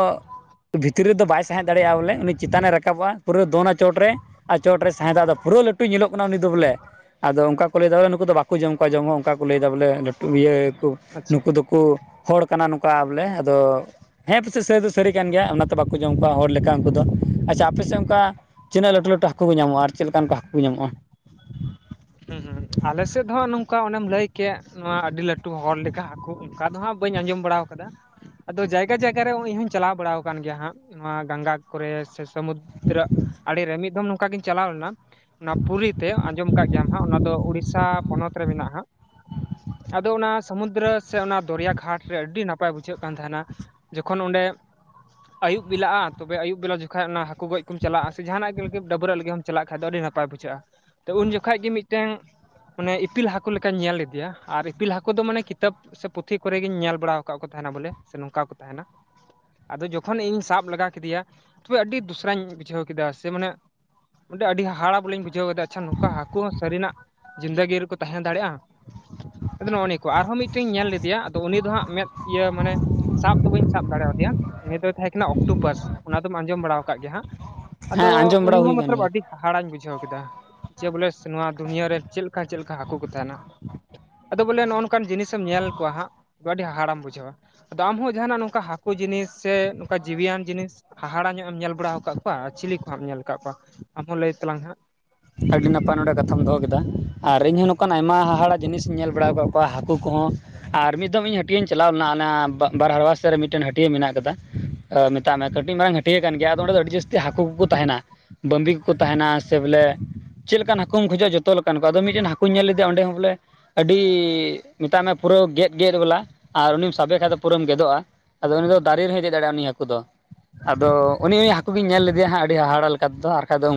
ᱵᱷᱤᱛᱨᱤ ᱨᱮ ᱫᱚ ᱵᱟᱭ ᱥᱟᱸᱦᱮᱫ ᱫᱟᱲᱮᱭᱟᱜ-ᱟ ᱵᱚᱞᱮ ᱩᱱᱤ ᱪᱤᱛᱟᱱᱮ ᱨᱟᱠᱟᱵᱚᱜ-ᱟ ᱯᱩᱨᱟᱹ ᱫᱚᱱ-ᱟ ᱪᱚᱴᱨᱮ ᱟᱨ ᱪᱚᱴ ᱨᱮ ᱥᱟᱦᱮᱫᱟᱜ ᱟᱫᱚ ᱯᱩᱩᱨᱟᱹᱣ ᱞᱟᱹᱴᱩᱭ ᱧᱮᱞᱚᱜ ᱠᱟᱱᱟ ᱩᱱᱤ ᱫᱚ ᱵᱚᱞᱮ ᱟᱫᱚ ᱚᱝᱠᱟ ᱠᱚ ᱞᱟᱹᱭ ᱫᱟ ᱵᱚᱞᱮ ᱱᱩᱠᱩ ᱫᱚ ᱵᱟᱠᱚ ᱡᱚᱢ ᱠᱚᱣᱟ ᱡᱚᱢ ᱦᱚᱸ ᱚᱝᱠᱟ ᱠᱚ ᱞᱟᱹᱭ ᱫᱟ ᱵᱚᱞᱮ ᱞᱟᱹᱴᱩ ᱤᱭᱟᱹ ᱠᱩ ᱟᱪᱪᱷᱟ ᱱᱩᱠᱩ ᱫᱩ ᱠᱩ ᱦᱚᱲ ᱠᱟᱱᱟ ᱱᱚᱝᱠᱟ ᱵᱚᱞᱮ ᱟᱫᱚ ᱦᱮᱸ ᱯᱟᱥᱮᱡ ᱥᱟᱹᱨᱤ ᱫᱚ ᱥᱟᱹᱨᱤ ᱠᱟᱱ ᱜᱮᱭᱟ ᱚᱱᱟᱛᱮ ᱵᱟᱠᱚ ᱡᱚᱢ ᱠᱚᱣᱟ ᱦᱚᱲ ᱞᱮᱠᱟ ᱩᱱᱠᱩ ᱫᱚ ᱟᱪᱪᱷᱟ ᱟᱯᱮᱥᱮᱜ ᱚᱝᱠᱟ ᱪᱤᱱᱟᱹᱜ ᱞᱟᱹᱴᱩ ᱞᱟᱹᱴᱩ ᱦᱟᱠᱩ ᱠᱚ ᱧᱟᱢᱚᱜᱼᱟ ᱟᱨ ᱪᱮᱫ ᱞᱮᱠᱟᱱ ᱠᱚ ᱦᱟᱹᱠᱩ ᱠᱚ ᱧᱟᱢᱚᱜᱼᱟ? ᱦᱩᱸ ᱟᱞᱮᱥᱮᱫ ᱫᱚ ᱦᱟᱜ ᱱᱚᱝᱠᱟ ᱚᱱᱮᱢ ᱞᱟᱹᱭ ᱠᱮᱜ ᱱᱚᱣᱟ ᱟᱹᱰᱤ ᱞᱟᱹᱴᱩ ᱦᱚᱲ ᱞᱮᱠᱟ ᱦᱟᱠᱩ ᱚᱱᱠᱟ ᱫᱚ ᱦᱟᱸᱜ ᱵᱟᱹᱧ ᱟᱸᱡᱚᱢ ᱵᱟᱲᱟᱣ ᱟᱠᱟᱫᱟ ᱾ ᱟᱫᱚ ᱡᱟᱭᱜᱟ ᱡᱟᱭᱜᱟ ᱨᱮ ᱤᱧ ᱦᱩᱧ ᱪᱟᱞᱟᱣ ᱵᱟᱲᱟᱣ ᱠᱟᱱ ᱜᱮᱭᱟ ᱦᱟᱸᱜ ᱱᱚᱣᱟ ᱜᱟᱝᱜᱟ ᱠᱚ ᱨᱮ ᱥᱮ ᱥᱟᱹᱢᱩᱫᱽᱫᱨᱟᱹ ᱟᱲᱮ‌ ᱨᱮ ᱢᱤᱫ ᱫᱷᱚᱢ ᱱᱚᱝᱠᱟ ᱜᱤᱧ ᱪᱟᱞᱟᱣ ᱞᱮᱱᱟ ᱚᱱᱟ ᱯᱩᱨᱤ ᱛᱮ ᱟᱸᱡᱚᱢ ᱠᱟᱜ ᱜᱮᱭᱟᱢ ᱦᱟᱸᱜ ᱚᱱᱟ ᱫᱚ ᱩᱲᱤᱥᱟ ᱯᱚᱱᱚᱛ ᱨᱮ ᱢᱮᱱᱟᱜᱼᱟ ᱦᱟᱸᱜ ᱟᱫᱚ ᱚᱱᱟ ᱥᱟᱹᱢᱩᱫᱽᱫᱨᱟ ᱥᱮ ᱚᱱᱟ ᱫᱚᱨᱭᱟ ᱜᱷᱟᱴ ᱨᱮ ᱟᱹᱰᱤ ᱱᱟᱯᱟᱭ ᱵᱩᱡᱷᱟᱹᱜ ᱠᱟᱱ ᱛᱟᱦᱮᱱᱟ ᱡᱚᱠᱷᱚᱱ ᱚᱸᱰᱮ ᱟᱹᱭᱩᱵ ᱵᱤᱞᱟᱜᱼᱟ ᱛᱚᱵᱮ ᱟᱭᱩᱵ ᱵᱤᱞᱟ ᱡᱚᱠᱷᱟᱡ ᱚᱱᱟ ᱦᱟᱹᱠᱩ ᱜᱚᱡ ᱠᱚᱢ ᱪᱟᱞᱟᱜᱼᱟ ᱥᱮ ᱡᱟᱦᱟᱱᱟᱜ ᱜᱤ ᱞᱟᱹᱜᱤᱢ ᱰᱟᱹᱵᱽᱨᱟᱹᱜ ᱞᱟᱹᱜᱤᱜ ᱦᱚᱢ ᱪᱟᱞᱟᱜ ᱠᱷᱟᱡ ᱫᱚ ᱟᱹᱰᱤ ᱱᱟᱯᱟᱭ ᱵᱩᱡᱷᱟᱹᱜᱼᱟ ᱛᱚ ᱩᱱ ᱡᱚᱠ ᱴᱮᱝ ᱢᱟᱱᱮ ᱤᱯᱤᱞ ᱦᱟᱠᱳ ᱞᱮᱠᱟᱧ ᱧᱮᱞ ᱞᱤᱫᱤᱭᱟ ᱟᱨ ᱤᱯᱤᱞ ᱦᱟᱹᱠᱳ ᱫᱚ ᱢᱟᱱᱮ ᱠᱤᱛᱟᱹᱵ ᱥᱮ ᱯᱩᱛᱷᱤ ᱠᱚᱨᱮ ᱜᱤᱧ ᱧᱮᱞ ᱵᱟᱲᱟᱣ ᱠᱟᱜ ᱠᱚ ᱛᱟᱦᱮᱱᱟ ᱵᱚᱞᱮ ᱥᱮ ᱱᱚᱝᱠᱟ ᱠᱚ ᱛᱟᱦᱮᱱᱟ ᱟᱫᱚ ᱡᱚᱠᱷᱚᱱ ᱤᱧ ᱥᱟᱵ ᱞᱮᱜᱟ ᱠᱤᱫᱤᱭᱟ ᱛᱚᱵᱮ ᱟᱹᱰᱤ ᱫᱩᱥᱨᱟᱧ ᱵᱩᱡᱷᱟᱹᱣ ᱠᱮᱫᱟ ᱥᱮ ᱢᱟᱱᱮ ᱚᱸᱰᱮ ᱟᱹᱰᱤ ᱦᱟᱦᱟᱲᱟ ᱵᱚᱞᱤᱧ ᱵᱩᱡᱷᱟᱹᱣ ᱮᱫᱟ ᱟᱪᱪᱷᱟ ᱱᱚᱝᱠᱟ ᱦᱟᱹᱠᱩ ᱦᱚᱸ ᱥᱟᱹᱨᱤᱱᱟᱜ ᱡᱤᱱᱫᱮᱜᱤ ᱨᱮ ᱠᱚ ᱛᱟᱦᱮᱸ ᱫᱟᱲᱮᱭᱟᱜᱼᱟ? ᱟᱫᱚ ᱱᱚᱜᱼᱚ ᱱᱤᱭᱟᱹ ᱠᱚ ᱟᱨᱦᱚᱸ ᱢᱤᱫᱴᱤᱧ ᱧᱮᱞ ᱞᱤᱫᱤᱭᱟ ᱟᱫᱚ ᱩᱱᱤ ᱫᱚ ᱦᱟᱸᱜ ᱢᱮᱫ ᱤᱭᱟᱹ ᱢᱟᱱᱮ ᱥᱟᱵ ᱫᱚ ᱵᱟᱹᱧ ᱥᱟᱵ ᱫᱟᱲᱮ ᱟᱫᱮᱭᱟ ᱩᱱᱤ ᱫᱚᱭ ᱛᱟᱦᱮᱸ ᱠᱟᱱᱟ ᱚᱠᱴᱳᱯᱟᱥ ᱚᱱᱟ ᱫᱚᱢ ᱟᱸᱡᱚᱢ ᱵᱟᱲᱟᱣ ᱟᱠᱟᱜ ᱜᱮᱭᱟ ᱦᱟᱸᱜᱼᱼ ᱦᱮᱸ ᱟᱫᱚ ᱟᱸᱡᱚᱢ ᱵᱟᱲᱟ ᱩᱱᱤ ᱦᱩᱭ ᱦᱚᱸ ᱟᱠᱟᱱ ᱢᱚᱛᱨᱚᱵ ᱜᱮᱭᱟ ᱟᱹᱰᱤ ᱦᱟᱦᱟᱲᱟᱹᱧ ᱵᱩᱡᱷᱟᱹᱣ ᱠᱮᱫᱟ ᱾ ᱪᱮ ᱵᱚᱞᱮ ᱥᱮ ᱱᱚᱣᱟ ᱫᱩᱱᱭᱟᱹ ᱨᱮ ᱪᱮᱞᱠᱟ ᱪᱮᱞᱠᱟ ᱦᱟᱹᱠᱩ ᱠᱚ ᱛᱟᱸᱦᱮᱱᱟ? ᱟᱫᱚ ᱵᱚᱞᱮ ᱱᱚᱜᱼᱚ ᱱᱚᱝᱠᱟᱱ ᱡᱤᱱᱤᱥ ᱮᱢ ᱧᱮᱞ ᱠᱚᱣᱟ ᱦᱟᱸᱜ ᱟᱹᱰᱤ ᱦᱟᱦᱟᱲᱟᱢ ᱵᱩᱡᱷᱟᱹᱣᱟ ᱫᱟᱢ ᱦᱚᱸ ᱡᱟᱦᱟᱱᱟᱜ ᱱᱚᱝᱠᱟ ᱦᱟᱹᱠᱩ ᱡᱤᱱᱤᱥ ᱥᱮ ᱱᱚᱝᱠᱟ ᱡᱤᱣᱤᱭᱟᱱ ᱡᱤᱱᱤᱥᱼᱼ ᱦᱟᱦᱟᱲᱟ ᱧᱚᱜ ᱮᱢ ᱧᱮᱞ ᱵᱟᱲᱟᱣ ᱠᱟᱜ ᱠᱚᱣᱟ ᱟᱨ ᱪᱤᱞᱤ ᱠᱚ ᱦᱚᱸᱢ ᱧᱮᱞ ᱠᱟᱜ ᱠᱚᱣᱟ, ᱟᱢᱦᱚᱸ ᱞᱟᱹᱭ ᱛᱟᱞᱟᱝ ᱢᱮ ᱦᱟᱸᱜᱼᱼ ᱟᱹᱰᱤ ᱱᱟᱯᱟᱭ ᱱᱚᱸᱰᱮ ᱠᱟᱛᱷᱟᱢ ᱫᱚᱦᱚ ᱠᱮᱫᱼᱼ (unintelligible) ᱟᱨ ᱤᱧᱦᱚᱸ ᱱᱚᱝᱠᱟᱱ ᱟᱭᱢᱟ ᱦᱟᱦᱟᱲᱟᱜ ᱡᱤᱱᱤᱥ ᱤᱧ ᱧᱮᱞ ᱵᱟᱲᱟᱣ ᱠᱟᱫ ᱠᱚᱣᱟ ᱦᱟᱹᱠᱩ ᱠᱚ ᱦᱚᱸ ᱟᱨ ᱢᱤᱫ ᱫᱚᱢᱼᱼ ᱤᱧ ᱦᱟᱹᱼᱼ ᱦᱟᱹᱴᱤᱭᱟᱹᱧ ᱪᱟᱞᱟᱣ ᱞᱮᱱᱟ ᱚᱱᱟ ᱵᱟᱨᱣᱟᱥ ᱨᱮ ᱢᱤᱫᱴᱮᱱ ᱦᱟᱹᱴᱤ ᱦᱟᱹᱴᱤᱭᱟᱹ ᱢᱮᱱᱟᱜ ᱠᱟᱫᱟ ᱢᱮᱛᱟᱜ ᱢᱮ ᱠᱟᱹᱴᱤᱡ ᱢᱟᱨᱟᱝ ᱦᱟᱹᱴᱭᱟᱹ ᱠᱟᱱ ᱜᱮᱭᱟ ᱟᱫᱚ ᱚᱸᱰᱮ ᱫᱚ ᱟᱹᱰᱤ ᱡᱟᱹᱥᱛᱤ ᱦᱟᱹᱠᱩ ᱠᱚ ᱠᱚ ᱛᱟᱦᱮᱱᱟ᱾ ᱵᱟᱹᱵᱤ ᱠᱚᱠᱚ ᱛᱟᱸᱦᱮᱱᱟ ᱥᱮ ᱵᱚᱞᱮᱼᱼ ᱪᱮᱫ ᱞᱮᱠᱟᱱ ᱦᱟᱹᱠᱩᱢ ᱠᱷᱚᱡᱚᱜᱼᱟ ᱡᱚᱛᱚ ᱞᱮᱠᱟᱱ ᱠᱚ ᱟᱫᱚ ᱢᱤᱫᱴᱮᱱ ᱦᱟᱹᱠᱩᱧ ᱧᱮᱞ ᱞᱮᱫᱮᱭᱟ ᱚᱸᱰᱮ ᱦᱚᱸ ᱵᱚᱞᱮᱼᱼ ᱟᱹᱰᱤ ᱢᱮᱛᱟᱜ ᱢᱮ ᱯᱩᱨᱟᱹ ᱜᱮᱫ ᱜᱮᱫ ᱵᱟᱞᱟ ᱟᱨ ᱩᱱᱤᱢ ᱥᱟᱵᱮ ᱠᱷᱟᱡ ᱫᱚ ᱯᱩᱨᱟᱹᱢ ᱜᱮᱫᱚᱜᱼᱟ ᱟᱫᱚ ᱩᱱᱤ ᱫᱚ ᱫᱟᱨᱮ ᱨᱮ ᱦᱚᱭ ᱫᱮᱡ ᱫᱟᱲᱮᱭᱟᱜᱼᱟ ᱩᱱᱤ ᱦᱟᱹᱠᱩ ᱫᱚᱼᱼ ᱟᱫᱚ ᱩᱱᱤ ᱦᱟᱹᱠᱩ ᱜᱮᱧ ᱧᱮᱞ ᱞᱮᱫᱮᱭᱟ ᱦᱟᱸᱜ ᱟᱹᱰᱤ ᱦᱟᱦᱟᱲᱟᱜ ᱞᱮᱠᱟ ᱛᱮᱫᱚ ᱟᱨ ᱵᱟᱠᱷᱟᱡ ᱫᱚᱼᱼ